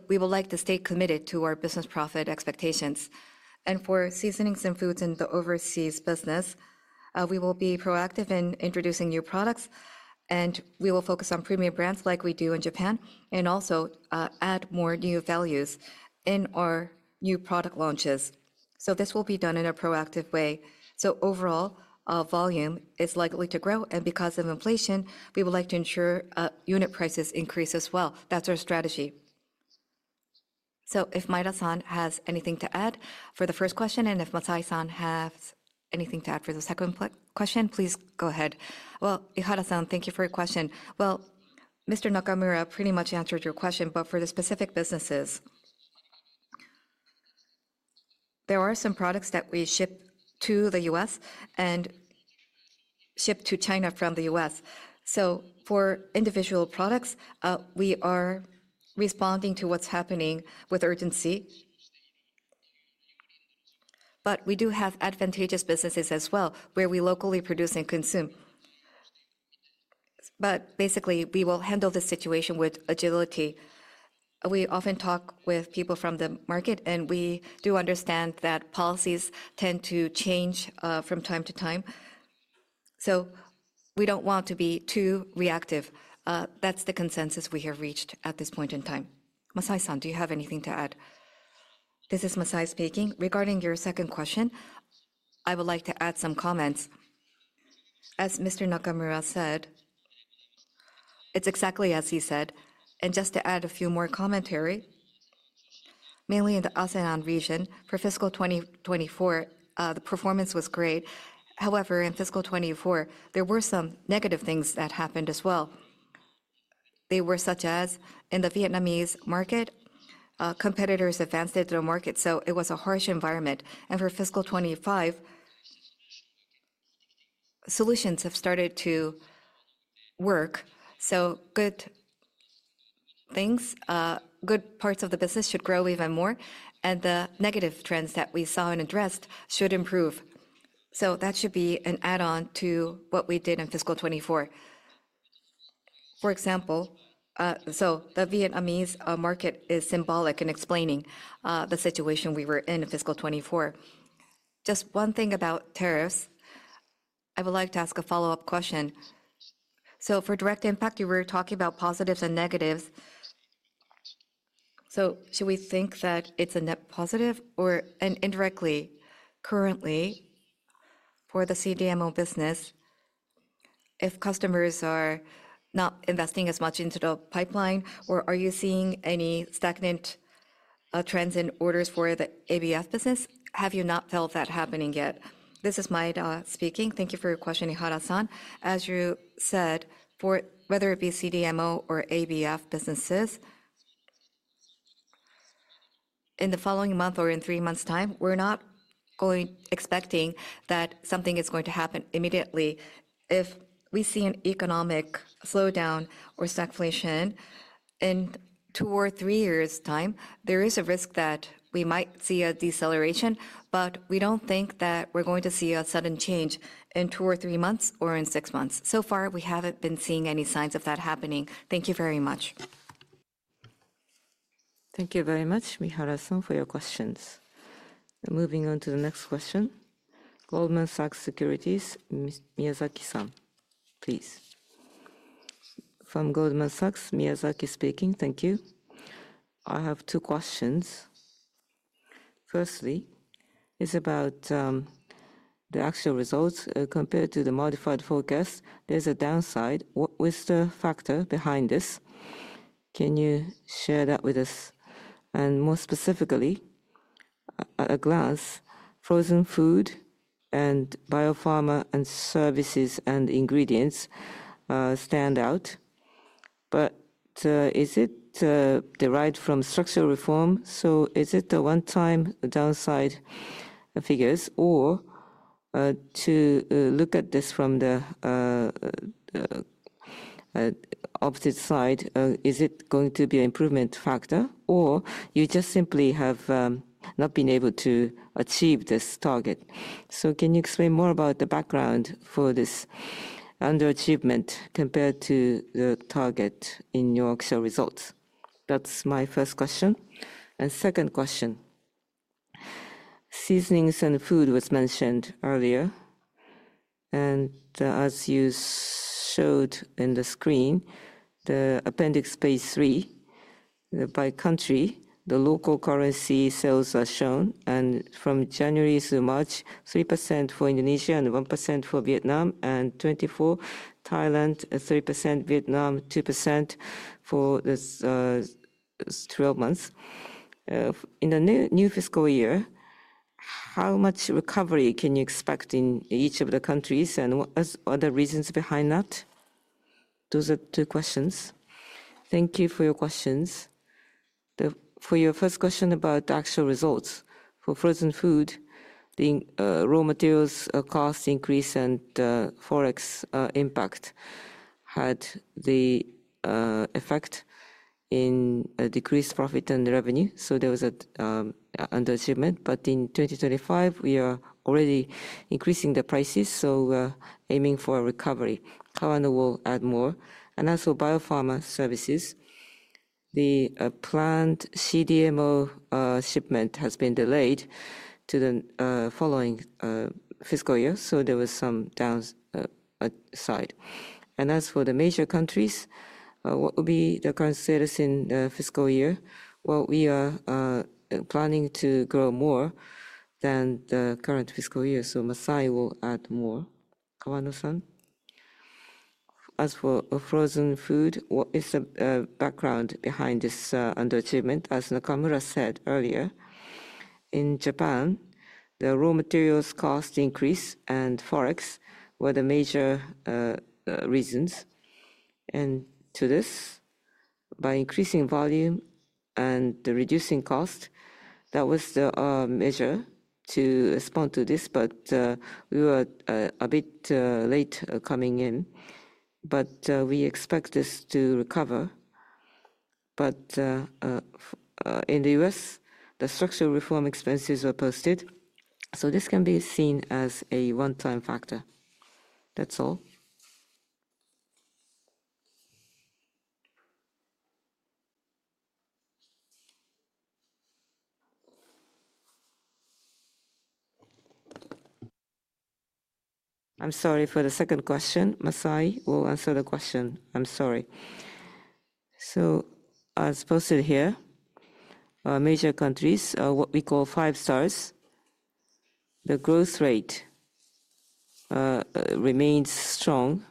We would like to stay committed to our business profit expectations. For seasonings and foods in the overseas business, we will be proactive in introducing new products, and we will focus on premium brands like we do in Japan, and also add more new values in our new product launches. This will be done in a proactive way. Overall, volume is likely to grow. Because of inflation, we would like to ensure unit prices increase as well. That is our strategy. If Maeda-san has anything to add for the first question, and if Masai-san has anything to add for the second question, please go ahead. Ihara-san, thank you for your question. Mr. Nakamura pretty much answered your question, but for the specific businesses, there are some products that we ship to the U.S. and ship to China from the U.S. For individual products, we are responding to what is happening with urgency. We do have advantageous businesses as well where we locally produce and consume. Basically, we will handle the situation with agility. We often talk with people from the market, and we do understand that policies tend to change from time to time. We do not want to be too reactive. That is the consensus we have reached at this point in time. Masai-san, do you have anything to add? This is Masai speaking. Regarding your second question, I would like to add some comments. As Mr. Nakamura said, it is exactly as he said. Just to add a few more commentary, mainly in the ASEAN region, for fiscal 2024, the performance was great. However, in fiscal 2024, there were some negative things that happened as well. They were such as in the Vietnamese market, competitors advanced into the market, so it was a harsh environment. For fiscal 2025, solutions have started to work. Good things, good parts of the business should grow even more, and the negative trends that we saw and addressed should improve. That should be an add-on to what we did in fiscal 2024. For example, the Vietnamese market is symbolic in explaining the situation we were in in fiscal 2024. Just one thing about tariffs, I would like to ask a follow-up question. For direct impact, you were talking about positives and negatives. Should we think that it is a net positive or indirectly currently for the CDMO business if customers are not investing as much into the pipeline, or are you seeing any stagnant trends in orders for the ABF business? Have you not felt that happening yet? This is Maeda speaking. Thank you for your question, Ihara-san. As you said, whether it be CDMO or ABF businesses, in the following month or in three months' time, we're not expecting that something is going to happen immediately. If we see an economic slowdown or stagflation in two or three years' time, there is a risk that we might see a deceleration, but we don't think that we're going to see a sudden change in two or three months or in six months. So far, we haven't been seeing any signs of that happening. Thank you very much. Thank you very much, Ihara-san, for your questions. Moving on to the next question, Goldman Sachs Securities, Miyazaki-san, please. From Goldman Sachs, Miyazaki speaking. Thank you. I have two questions. Firstly, it's about the actual results compared to the modified forecast. There's a downside. What was the factor behind this? Can you share that with us? More specifically, at a glance, frozen food and biopharma and services and ingredients stand out. Is it derived from structural reform? Is it the one-time downside figures, or to look at this from the opposite side, is it going to be an improvement factor, or you just simply have not been able to achieve this target? Can you explain more about the background for this underachievement compared to the target in your actual results? That is my first question. Second question, seasonings and food was mentioned earlier. As you showed in the screen, the appendix phase three, by country, the local currency sales are shown. From January to March, 3% for Indonesia and 1% for Vietnam, and 24% Thailand, 3% Vietnam, 2% for the 12 months. In the new fiscal year, how much recovery can you expect in each of the countries, and are there reasons behind that? Those are two questions. Thank you for your questions. For your first question about the actual results, for frozen food, the raw materials cost increase and Forex impact had the effect in decreased profit and revenue. There was an underachievement. In 2025, we are already increasing the prices, so we're aiming for a recovery. Kawana will add more. As for biopharma services, the planned CDMO shipment has been delayed to the following fiscal year. There was some downside. As for the major countries, what will be the current status in the fiscal year? We are planning to grow more than the current fiscal year. Masai will add more. Kawana-san, as for frozen food, what is the background behind this underachievement? As Nakamura said earlier, in Japan, the raw materials cost increase and Forex were the major reasons. To this, by increasing volume and reducing cost, that was the measure to respond to this. We were a bit late coming in. We expect this to recover. In the U.S., the structural reform expenses were posted. This can be seen as a one-time factor. That's all. I'm sorry for the second question. Masai will answer the question. I'm sorry. As posted here, major countries, what we call five stars, the growth rate remains strong.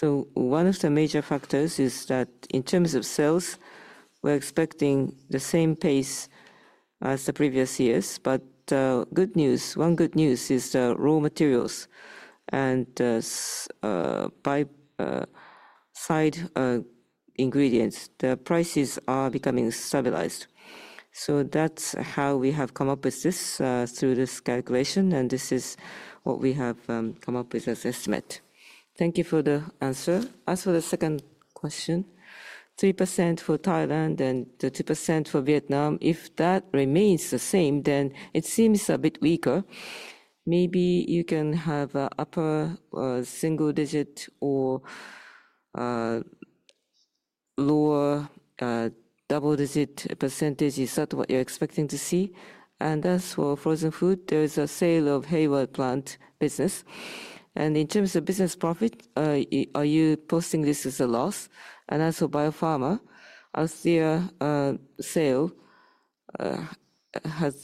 One of the major factors is that in terms of sales, we're expecting the same pace as the previous years. One good news is the raw materials and by side ingredients, the prices are becoming stabilized. That's how we have come up with this through this calculation. This is what we have come up with as estimate. Thank you for the answer. As for the second question, 3% for Thailand and 2% for Vietnam, if that remains the same, then it seems a bit weaker. Maybe you can have an upper single-digit or lower double-digit percentage is what you're expecting to see. As for frozen food, there is a sale of Hayward Plant business. In terms of business profit, are you posting this as a loss? As for Bio-Pharma, as their sale, has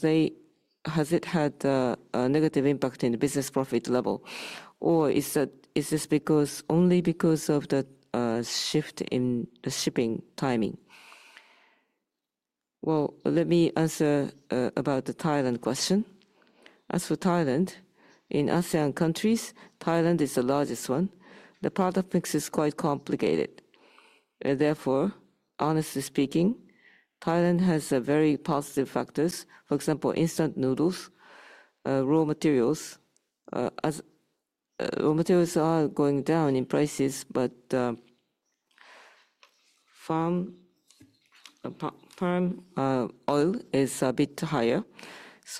it had a negative impact in the business profit level? Or is this only because of the shift in the shipping timing? Let me answer about the Thailand question. As for Thailand, in ASEAN countries, Thailand is the largest one. The product mix is quite complicated. Therefore, honestly speaking, Thailand has very positive factors. For example, instant noodles, raw materials. Raw materials are going down in prices, but farm oil is a bit higher.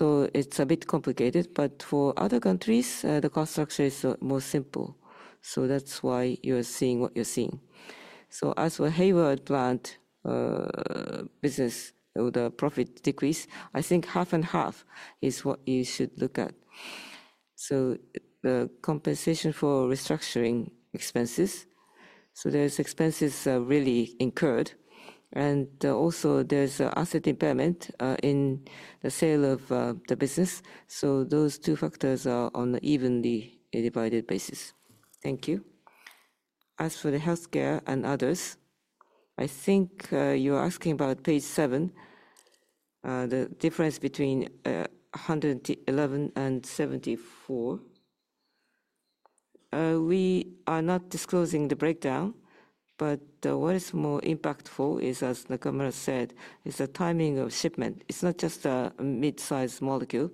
It is a bit complicated. For other countries, the cost structure is more simple. That is why you are seeing what you are seeing. As for Hayward Plant business, the profit decrease, I think half and half is what you should look at. The compensation for restructuring expenses, those expenses are really incurred. Also, there is an asset impairment in the sale of the business. Those two factors are on an evenly divided basis. Thank you. As for the healthcare and others, I think you are asking about page seven, the difference between 111 and 74. We are not disclosing the breakdown, but what is more impactful is, as Nakamura said, the timing of shipment. It's not just a mid-size molecule,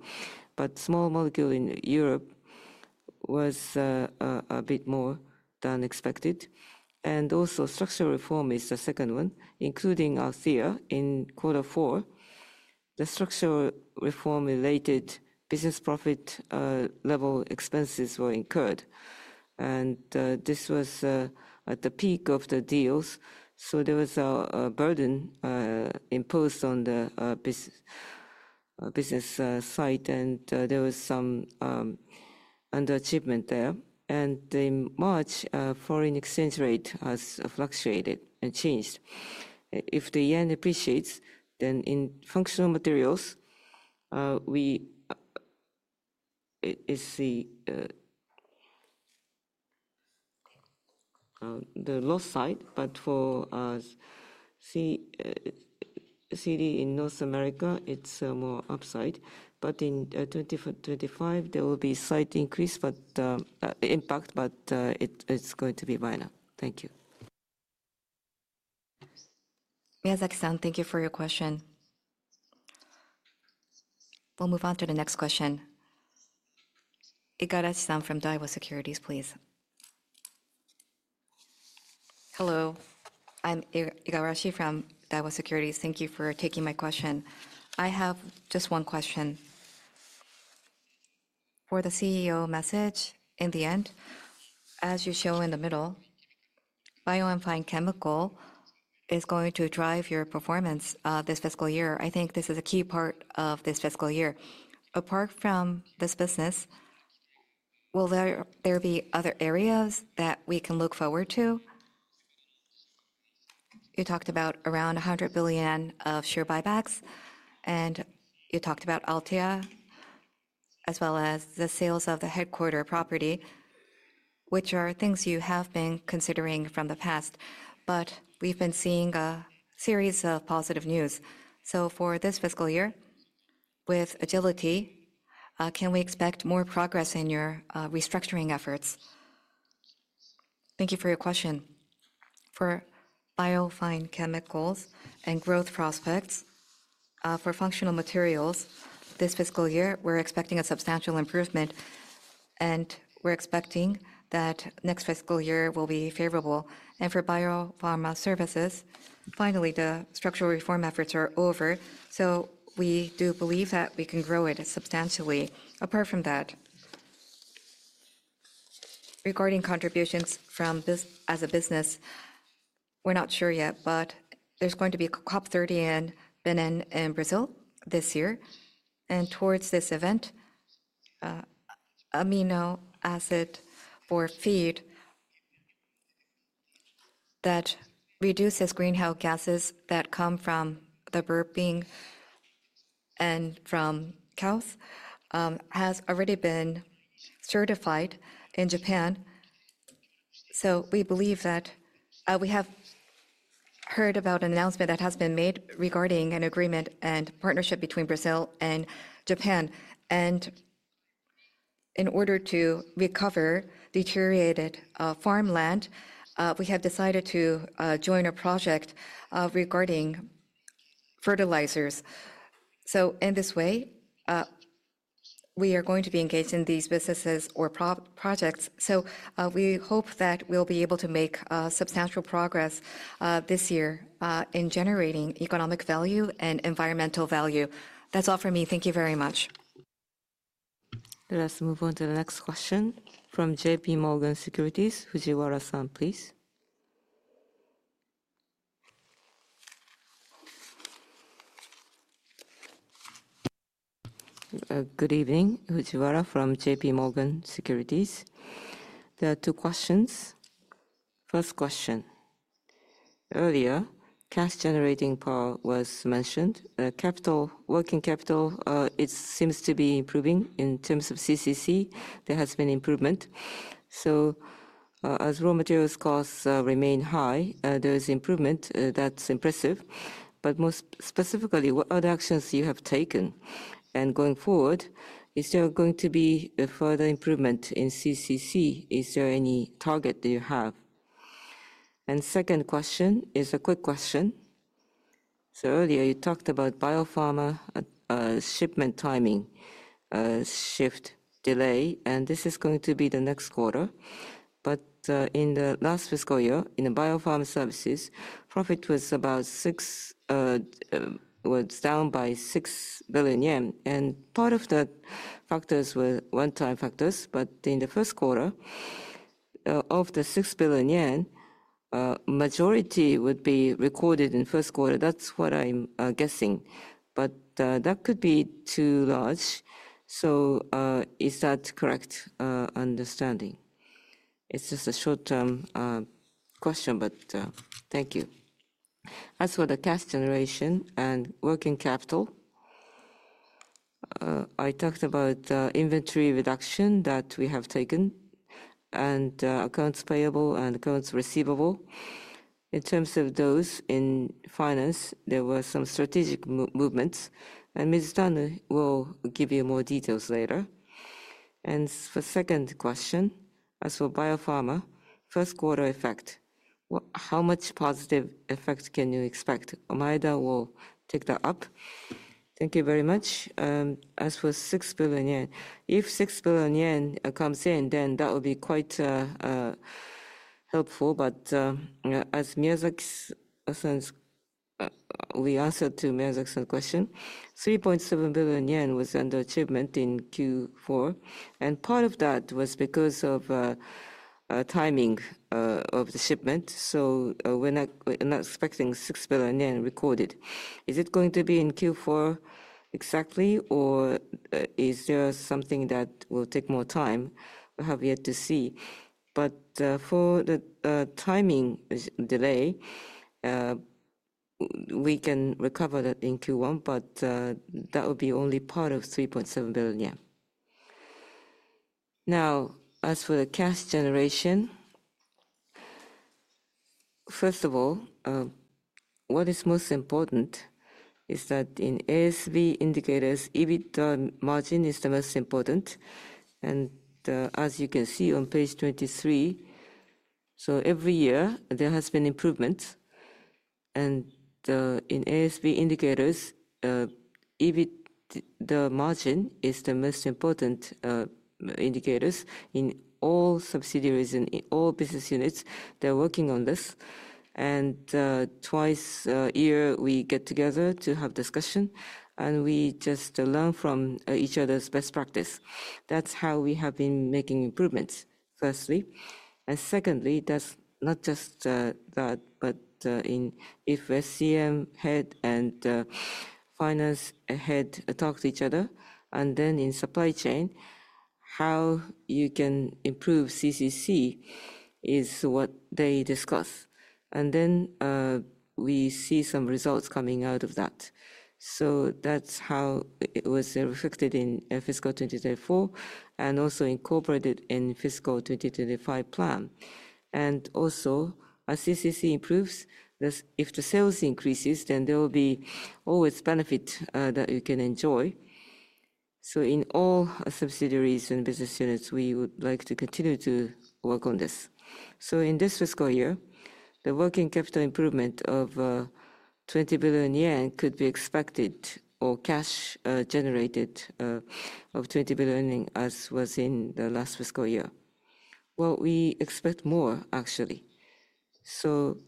but small molecule in Europe was a bit more than expected. Also, structural reform is the second one, including ASEAN in quarter four. The structural reform-related business profit level expenses were incurred. This was at the peak of the deals. There was a burden imposed on the business site, and there was some underachievement there. In March, foreign exchange rate has fluctuated and changed. If the yen appreciates, then in functional materials, we see the loss side. For CD in North America, it's more upside. In 2025, there will be slight increase, but the impact, but it's going to be minor. Thank you. Miyazaki-san, thank you for your question. We'll move on to the next question. Igarashi-san from Daiwa Securities, please. Hello. I'm Igarashi from Daiwa Securities. Thank you for taking my question. I have just one question. For the CEO message in the end, as you show in the middle, bio-amplifying chemical is going to drive your performance this fiscal year. I think this is a key part of this fiscal year. Apart from this business, will there be other areas that we can look forward to? You talked about around 100 billion of share buybacks, and you talked about Althea, as well as the sales of the headquarter property, which are things you have been considering from the past. We've been seeing a series of positive news. For this fiscal year, with agility, can we expect more progress in your restructuring efforts? Thank you for your question. For bio-amplifying chemicals and growth prospects, for functional materials, this fiscal year, we're expecting a substantial improvement, and we're expecting that next fiscal year will be favorable. For biopharma services, finally, the structural reform efforts are over, so we do believe that we can grow it substantially. Apart from that, regarding contributions as a business, we're not sure yet, but there's going to be COP30 in Brazil this year. Towards this event, amino acid feed that reduces greenhouse gases that come from the burping and from cows has already been certified in Japan. We believe that we have heard about an announcement that has been made regarding an agreement and partnership between Brazil and Japan. In order to recover deteriorated farmland, we have decided to join a project regarding fertilizers. In this way, we are going to be engaged in these businesses or projects. We hope that we'll be able to make substantial progress this year in generating economic value and environmental value. That's all for me. Thank you very much. Let us move on to the next question from JPMorgan Securities, Fujiwara-san, please. Good evening, Fujiwara from JPMorgan Securities. There are two questions. First question. Earlier, cash-generating power was mentioned. Working capital, it seems to be improving. In terms of CCC, there has been improvement. As raw materials costs remain high, there is improvement. That is impressive. More specifically, what other actions have you taken? Going forward, is there going to be further improvement in CCC? Is there any target that you have? Second question is a quick question. Earlier, you talked about biopharma shipment timing shift delay, and this is going to be the next quarter. In the last fiscal year, in the biopharma services, profit was down by 6 billion yen. Part of the factors were one-time factors. In the first quarter, of the 6 billion yen, majority would be recorded in the first quarter. That is what I am guessing. That could be too large. Is that correct understanding? It is just a short-term question, thank you. As for the cash generation and working capital, I talked about inventory reduction that we have taken and accounts payable and accounts receivable. In terms of those in finance, there were some strategic movements. Mizutani will give you more details later. For the second question, as for biopharma, first quarter effect, how much positive effect can you expect? Omaida will take that up. Thank you very much. As for 6 billion yen, if 6 billion yen comes in, then that will be quite helpful. As we answered to Miyazaki-san's question, 3.7 billion yen was under achievement in Q4. Part of that was because of timing of the shipment. We are not expecting 6 billion yen recorded. Is it going to be in Q4 exactly, or is there something that will take more time? We have yet to see. For the timing delay, we can recover that in Q1, but that will be only part of 3.7 billion yen. Now, as for the cash generation, first of all, what is most important is that in ASV indicators, EBITDA margin is the most important. As you can see on page 23, every year, there has been improvement. In ASV indicators, EBITDA margin is the most important indicator in all subsidiaries and in all business units. They are working on this. Twice a year, we get together to have discussion, and we just learn from each other's best practice. That's how we have been making improvements, firstly. Secondly, that's not just that, but if SEM head and finance head talk to each other, and then in supply chain, how you can improve CCC is what they discuss. Then we see some results coming out of that. That's how it was reflected in fiscal 2024 and also incorporated in fiscal 2025 plan. Also, as CCC improves, if the sales increases, then there will be always benefit that you can enjoy. In all subsidiaries and business units, we would like to continue to work on this. In this fiscal year, the working capital improvement of 20 billion yen could be expected or cash generated of 20 billion yen as was in the last fiscal year. We expect more, actually.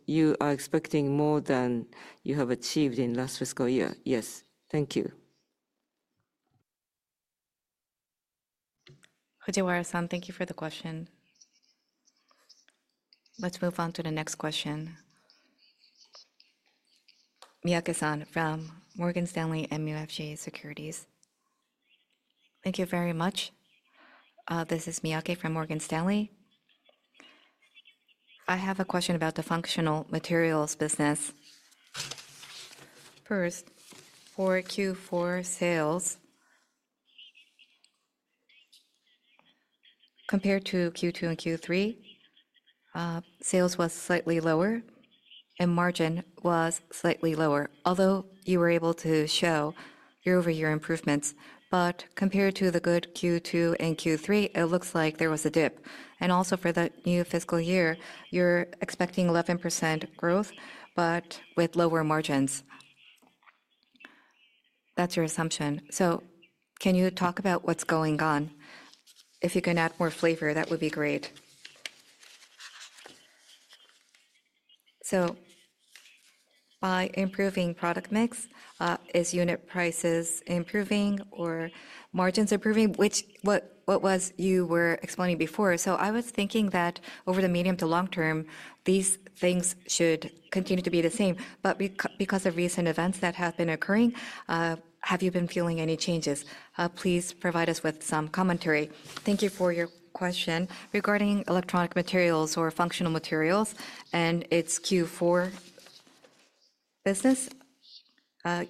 You are expecting more than you have achieved in last fiscal year. Yes. Thank you. Fujiwara-san, thank you for the question. Let's move on to the next question. Miyake-san from Morgan Stanley MUFG Securities. Thank you very much. This is Miyake from Morgan Stanley. I have a question about the functional materials business. First, for Q4 sales, compared to Q2 and Q3, sales was slightly lower and margin was slightly lower. Although you were able to show year-over-year improvements, compared to the good Q2 and Q3, it looks like there was a dip. Also for the new fiscal year, you're expecting 11% growth, but with lower margins. That's your assumption. Can you talk about what's going on? If you can add more flavor, that would be great. By improving product mix, is unit prices improving or margins improving, which what you were explaining before? I was thinking that over the medium to long term, these things should continue to be the same. Because of recent events that have been occurring, have you been feeling any changes? Please provide us with some commentary. Thank you for your question regarding electronic materials or functional materials and its Q4 business.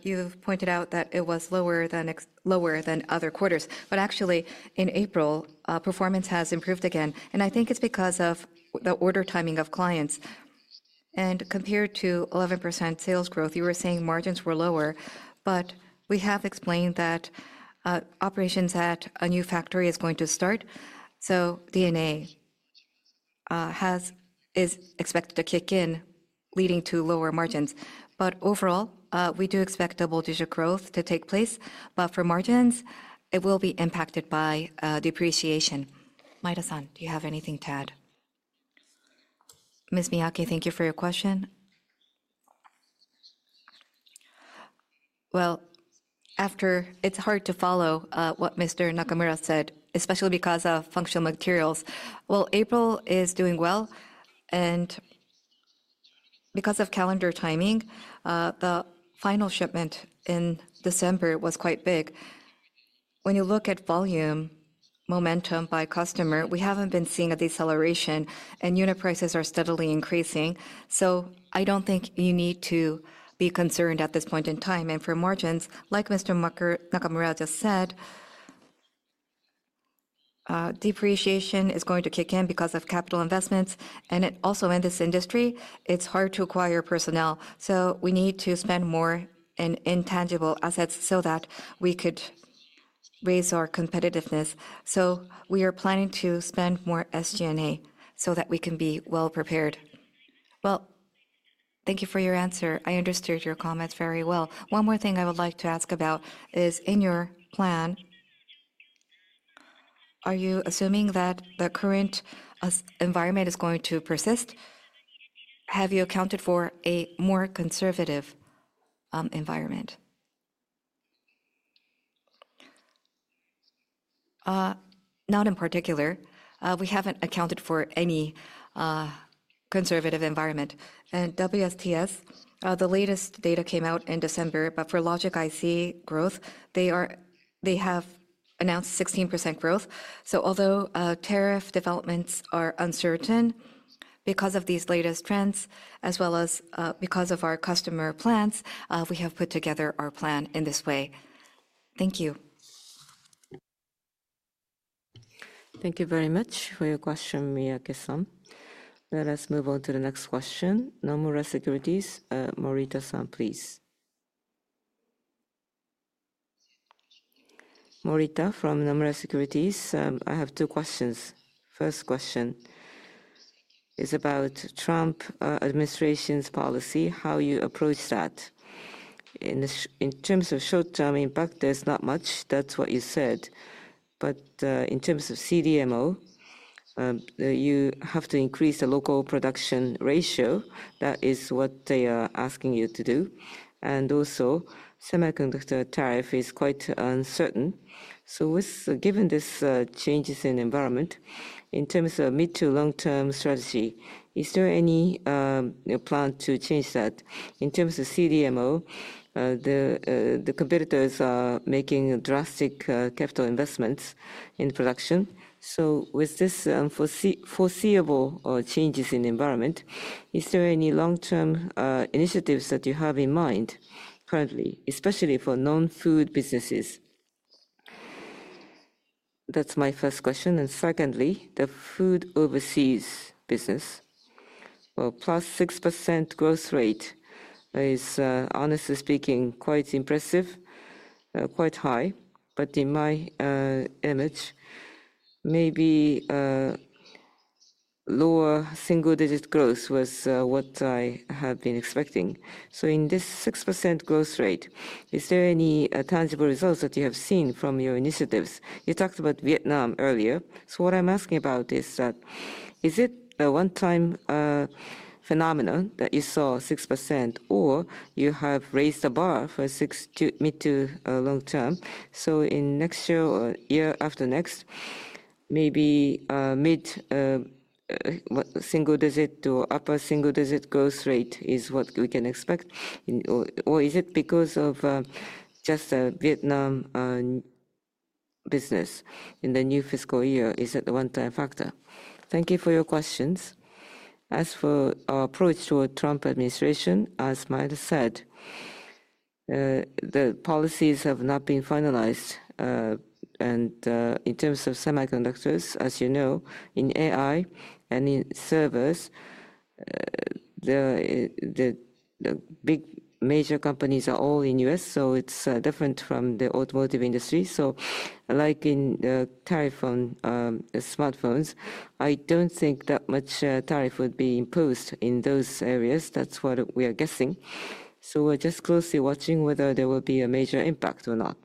You pointed out that it was lower than other quarters. Actually, in April, performance has improved again. I think it is because of the order timing of clients. Compared to 11% sales growth, you were saying margins were lower. We have explained that operations at a new factory are going to start. So depreciation is expected to kick in, leading to lower margins. Overall, we do expect double-digit growth to take place. For margins, it will be impacted by depreciation. Maeda-san, do you have anything to add? Ms. Thank you for your question. It is hard to follow what Mr. Nakamura said, especially because of functional materials. April is doing well. Because of calendar timing, the final shipment in December was quite big. When you look at volume momentum by customer, we have not been seeing a deceleration, and unit prices are steadily increasing. I do not think you need to be concerned at this point in time. For margins, like Mr. Nakamura just said, depreciation is going to kick in because of capital investments. Also, in this industry, it is hard to acquire personnel. We need to spend more in intangible assets so that we could raise our competitiveness. We are planning to spend more SG&A so that we can be well prepared. Thank you for your answer. I understood your comments very well. One more thing I would like to ask about is in your plan, are you assuming that the current environment is going to persist? Have you accounted for a more conservative environment? Not in particular. We have not accounted for any conservative environment. WSTS, the latest data came out in December, but for logic IC growth, they have announced 16% growth. Although tariff developments are uncertain because of these latest trends, as well as because of our customer plans, we have put together our plan in this way. Thank you. Thank you very much for your question, Miyake-san. Let us move on to the next question. Nomura Securities, Morita-san, please. Morita from Nomura Securities, I have two questions. First question is about Trump administration's policy, how you approach that. In terms of short-term impact, there is not much. That is what you said. In terms of CDMO, you have to increase the local production ratio. That is what they are asking you to do. Also, semiconductor tariff is quite uncertain. Given these changes in the environment, in terms of mid to long-term strategy, is there any plan to change that? In terms of CDMO, the competitors are making drastic capital investments in production. With these foreseeable changes in the environment, is there any long-term initiatives that you have in mind currently, especially for non-food businesses? That is my first question. Secondly, the food overseas business, plus 6% growth rate is, honestly speaking, quite impressive, quite high. In my image, maybe lower single-digit growth was what I have been expecting. In this 6% growth rate, is there any tangible results that you have seen from your initiatives? You talked about Vietnam earlier. What I'm asking about is that is it a one-time phenomenon that you saw 6%, or you have raised the bar for mid to long term? In next year or year after next, maybe mid single-digit to upper single-digit growth rate is what we can expect? Is it because of just Vietnam business in the new fiscal year? Is it a one-time factor? Thank you for your questions. As for our approach to a Trump administration, as Maeda said, the policies have not been finalized. In terms of semiconductors, as you know, in AI and in servers, the big major companies are all in the U.S., so it's different from the automotive industry. Like in the tariff on smartphones, I don't think that much tariff would be imposed in those areas. That's what we are guessing. We're just closely watching whether there will be a major impact or not.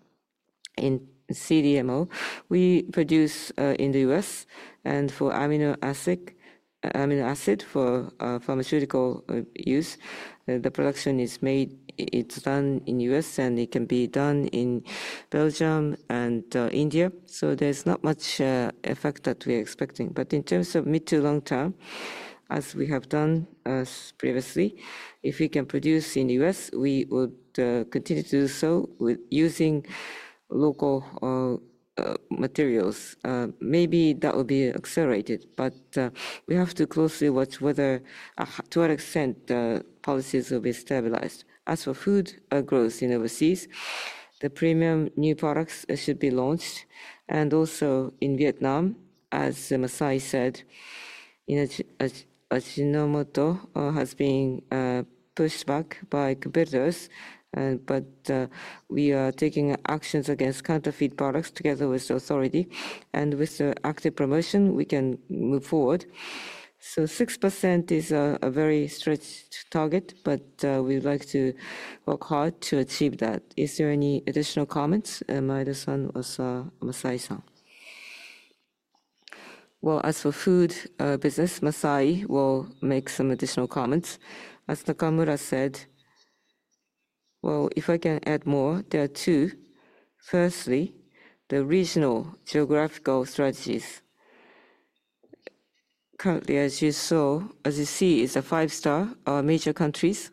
In CDMO, we produce in the U.S., and for amino acid for pharmaceutical use, the production is made, it's done in the U.S., and it can be done in Belgium and India. There's not much effect that we are expecting. In terms of mid to long term, as we have done previously, if we can produce in the U.S., we would continue to do so using local materials. Maybe that will be accelerated, but we have to closely watch to what extent the policies will be stabilized. As for food growth in overseas, the premium new products should be launched. Also in Vietnam, as Masai said, Ajinomoto has been pushed back by competitors. We are taking actions against counterfeit products together with the authority. With the active promotion, we can move forward. 6% is a very strict target, but we would like to work hard to achieve that. Is there any additional comments? Maeda-san or Masai-san? As for food business, Masai will make some additional comments. As Nakamura said, if I can add more, there are two. Firstly, the regional geographical strategies. Currently, as you saw, as you see, it is five-star major countries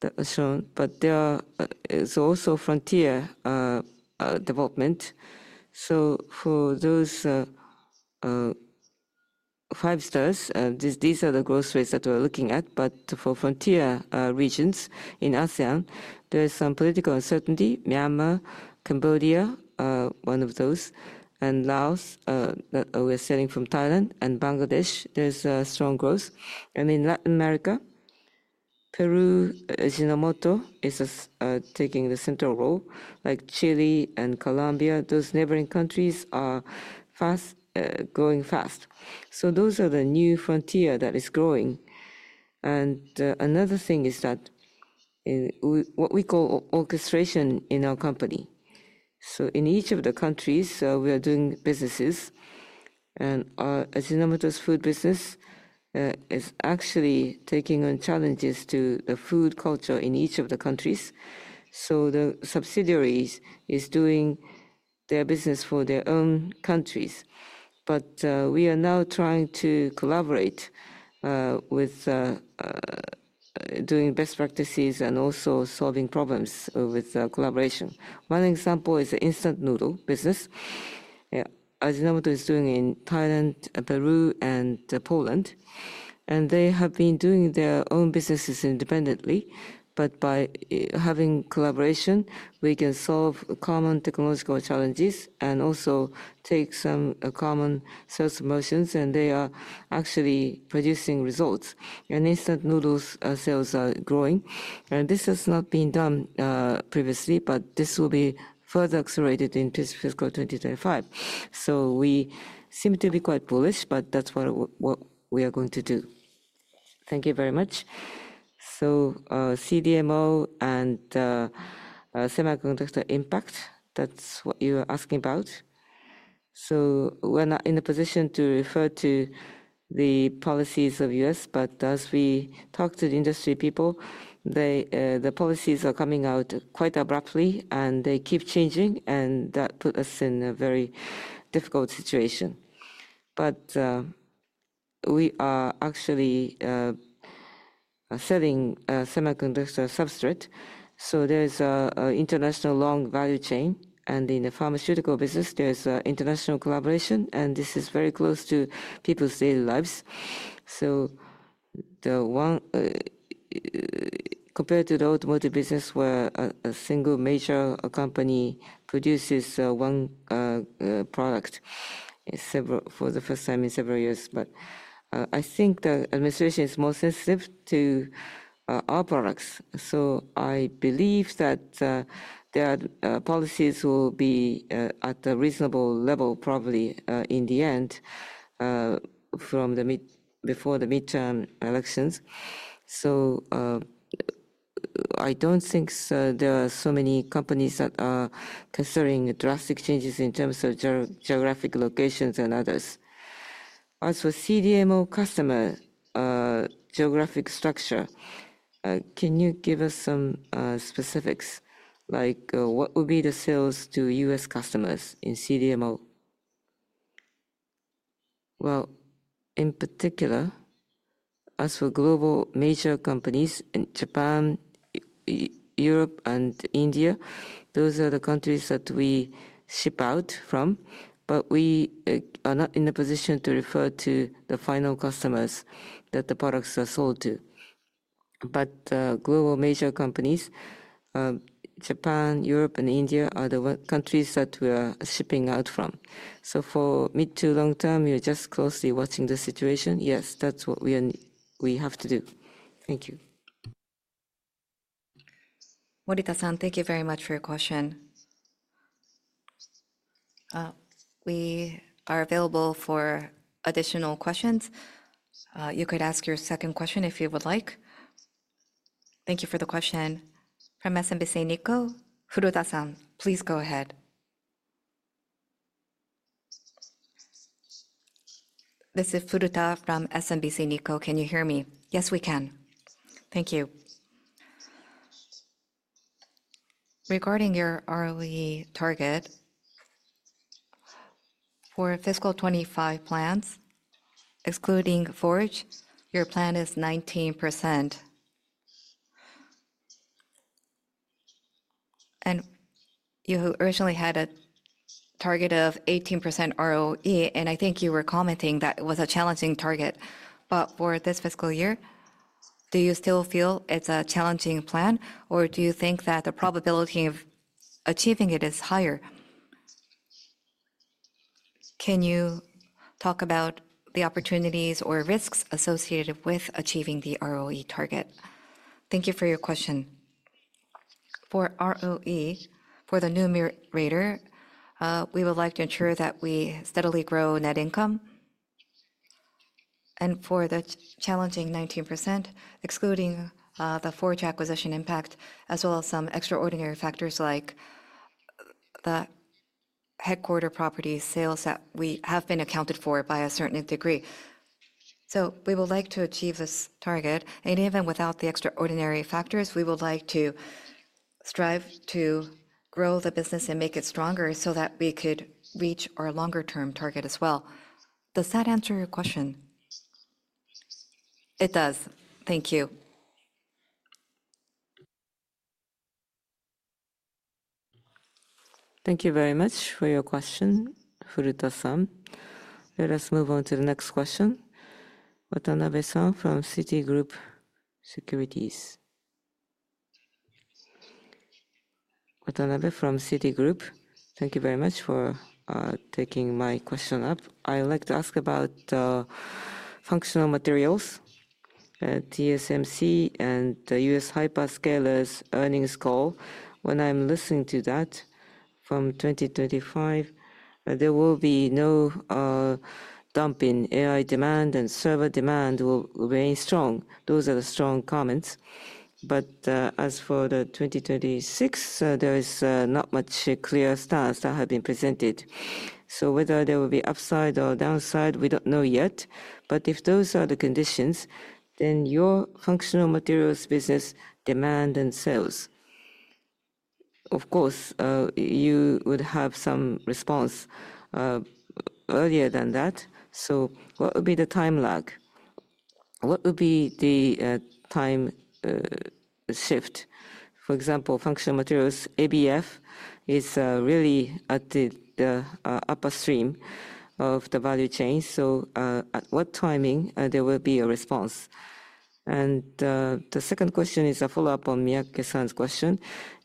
that are shown. There is also frontier development. For those five stars, these are the growth rates that we are looking at. For frontier regions in ASEAN, there is some political uncertainty. Myanmar, Cambodia, one of those, and Laos that we are selling from Thailand, and Bangladesh, there is strong growth. In Latin America, Peru, Ajinomoto is taking the central role. Like Chile and Colombia, those neighboring countries are fast, growing fast. Those are the new frontier that is growing. Another thing is what we call orchestration in our company. In each of the countries, we are doing businesses. Ajinomoto's food business is actually taking on challenges to the food culture in each of the countries. The subsidiaries are doing their business for their own countries. We are now trying to collaborate with doing best practices and also solving problems with collaboration. One example is the instant noodle business. Ajinomoto is doing in Thailand, Peru, and Poland. They have been doing their own businesses independently. By having collaboration, we can solve common technological challenges and also take some common sales promotions. They are actually producing results. Instant noodle sales are growing. This has not been done previously, but this will be further accelerated in fiscal 2025. We seem to be quite bullish, but that's what we are going to do. Thank you very much. CDMO and semiconductor impact, that's what you are asking about. We're not in a position to refer to the policies of the U.S., but as we talk to the industry people, the policies are coming out quite abruptly, and they keep changing. That puts us in a very difficult situation. We are actually selling semiconductor substrate. There's an international long value chain. In the pharmaceutical business, there's international collaboration. This is very close to people's daily lives. Compared to the automotive business, where a single major company produces one product for the first time in several years, I think the administration is more sensitive to our products. I believe that their policies will be at a reasonable level, probably in the end, before the midterm elections. I do not think there are so many companies that are considering drastic changes in terms of geographic locations and others. As for CDMO customer geographic structure, can you give us some specifics? Like what would be the sales to U.S. customers in CDMO? In particular, as for global major companies in Japan, Europe, and India, those are the countries that we ship out from. We are not in a position to refer to the final customers that the products are sold to. Global major companies, Japan, Europe, and India are the countries that we are shipping out from. For mid to long term, you are just closely watching the situation. Yes, that is what we have to do. Thank you. Morita-san, thank you very much for your question. We are available for additional questions. You could ask your second question if you would like. Thank you for the question. From SMBC Nikko, Furuta-san, please go ahead. This is Furuta from SMBC Nikko. Can you hear me? Yes, we can. Thank you. Regarding your ROE target, for fiscal 2025 plans, excluding Forge, your plan is 19%. You originally had a target of 18% ROE. I think you were commenting that it was a challenging target. For this fiscal year, do you still feel it is a challenging plan? Do you think that the probability of achieving it is higher? Can you talk about the opportunities or risks associated with achieving the ROE target? Thank you for your question. For ROE, for the numerator, we would like to ensure that we steadily grow net income. For the challenging 19%, excluding the Forge acquisition impact, as well as some extraordinary factors like the headquarter property sales that we have been accounted for by a certain degree. We would like to achieve this target. In any event, without the extraordinary factors, we would like to strive to grow the business and make it stronger so that we could reach our longer-term target as well. Does that answer your question? It does. Thank you. Thank you very much for your question, Furuta-san. Let us move on to the next question. Watanabe-san from Citi Group Securities. Watanabe from Citi Group. Thank you very much for taking my question up. I'd like to ask about functional materials, TSMC and the U.S. Hyperscalers earnings call. When I'm listening to that from 2025, there will be no dumping. AI demand and server demand will remain strong. Those are the strong comments. As for 2026, there is not much clear stance that has been presented. Whether there will be upside or downside, we do not know yet. If those are the conditions, then your functional materials business demand and sales, of course, you would have some response earlier than that. What would be the time lag? What would be the time shift? For example, functional materials, ABF is really at the upper stream of the value chain. At what timing will there be a response? The second question is a follow-up on Miyake-san's question.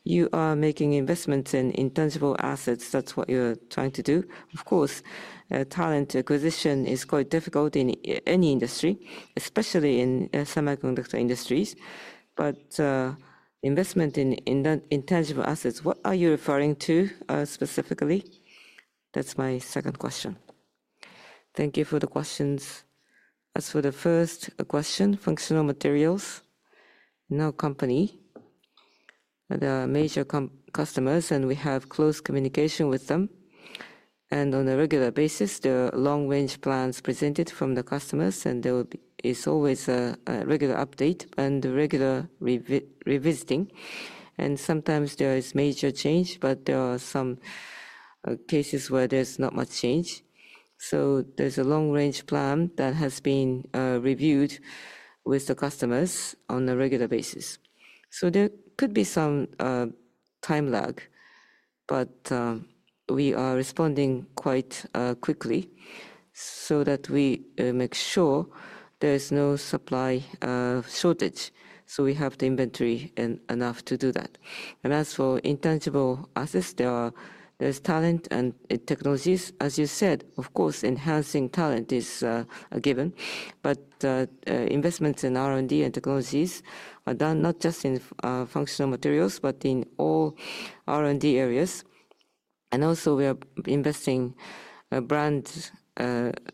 You are making investments in intangible assets. That is what you are trying to do. Of course, talent acquisition is quite difficult in any industry, especially in semiconductor industries. Investment in intangible assets, what are you referring to specifically? That is my second question. Thank you for the questions. As for the first question, functional materials, no company. There are major customers, and we have close communication with them. On a regular basis, there are long-range plans presented from the customers, and there is always a regular update and regular revisiting. Sometimes there is major change, but there are some cases where there is not much change. There is a long-range plan that has been reviewed with the customers on a regular basis. There could be some time lag, but we are responding quite quickly to make sure there is no supply shortage. We have the inventory enough to do that. As for intangible assets, there is talent and technologies. As you said, of course, enhancing talent is a given. Investments in R&D and technologies are done not just in functional materials, but in all R&D areas. We are investing in brands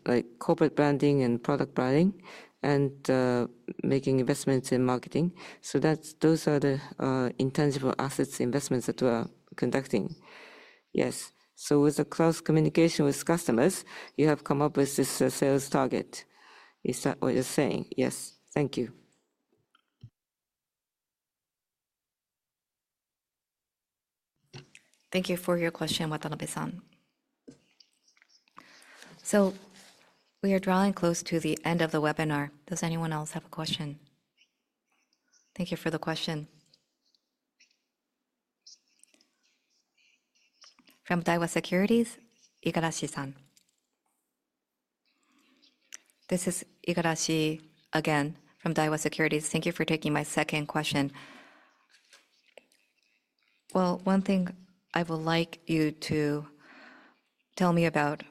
like corporate branding and product branding and making investments in marketing. Those are the intangible assets investments that we are conducting. Yes. With the close communication with customers, you have come up with this sales target. Is that what you are saying? Yes. Thank you. Thank you for your question, Watanabe-san. We are drawing close to the end of the webinar. Does anyone else have a question? Thank you for the question. From Daiwa Securities, Igarashi-san. This is Igarashi again from Daiwa Securities. Thank you for taking my second question. One thing I would like you to tell me about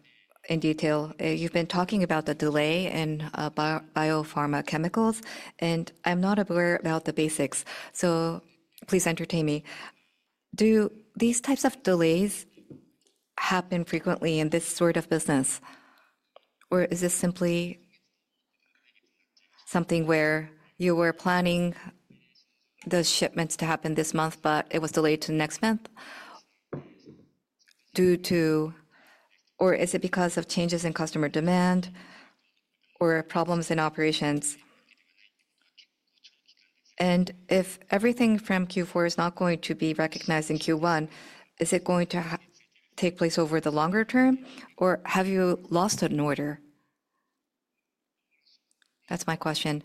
in detail. You have been talking about the delay in biopharma chemicals, and I am not aware about the basics. Please entertain me. Do these types of delays happen frequently in this sort of business? Is this simply something where you were planning those shipments to happen this month, but it was delayed to next month? Is it because of changes in customer demand or problems in operations? If everything from Q4 is not going to be recognized in Q1, is it going to take place over the longer term? Have you lost an order? That is my question.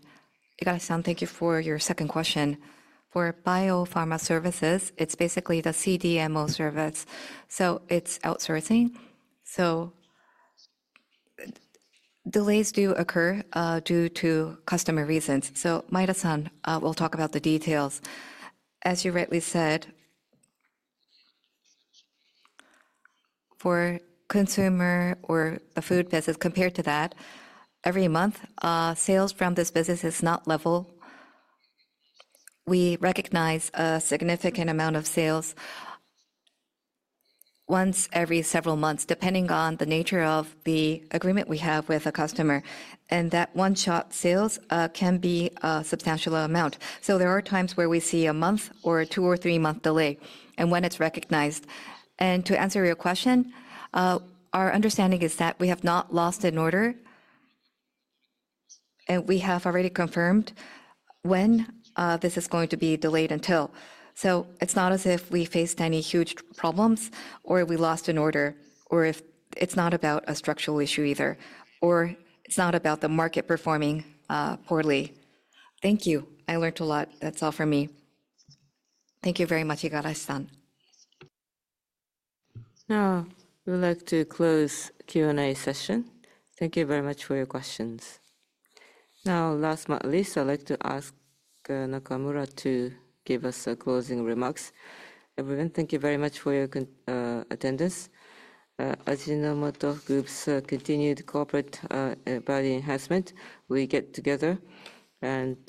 Igarashi-san, thank you for your second question. For biopharma services, it is basically the CDMO service. It is outsourcing. Delays do occur due to customer reasons. Miyake-san will talk about the details. As you rightly said, for consumer or the food business, compared to that, every month, sales from this business is not level. We recognize a significant amount of sales once every several months, depending on the nature of the agreement we have with a customer. That one-shot sales can be a substantial amount. There are times where we see a month or a two or three-month delay in when it is recognized. To answer your question, our understanding is that we have not lost an order. We have already confirmed when this is going to be delayed until. It is not as if we faced any huge problems or we lost an order, or it is not about a structural issue either, or it is not about the market performing poorly. Thank you. I learned a lot. That is all from me. Thank you very much, Igarashi-san. Now, we would like to close the Q&A session. Thank you very much for your questions. Now, last but not least, I would like to ask Nakamura to give us closing remarks. Everyone, thank you very much for your attendance. Ajinomoto Group's continued corporate value enhancement, we get together and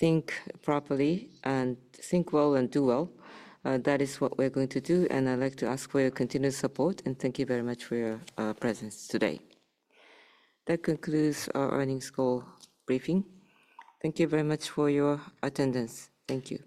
think properly and think well and do well. That is what we're going to do. I'd like to ask for your continued support. Thank you very much for your presence today. That concludes our earnings call briefing. Thank you very much for your attendance. Thank you.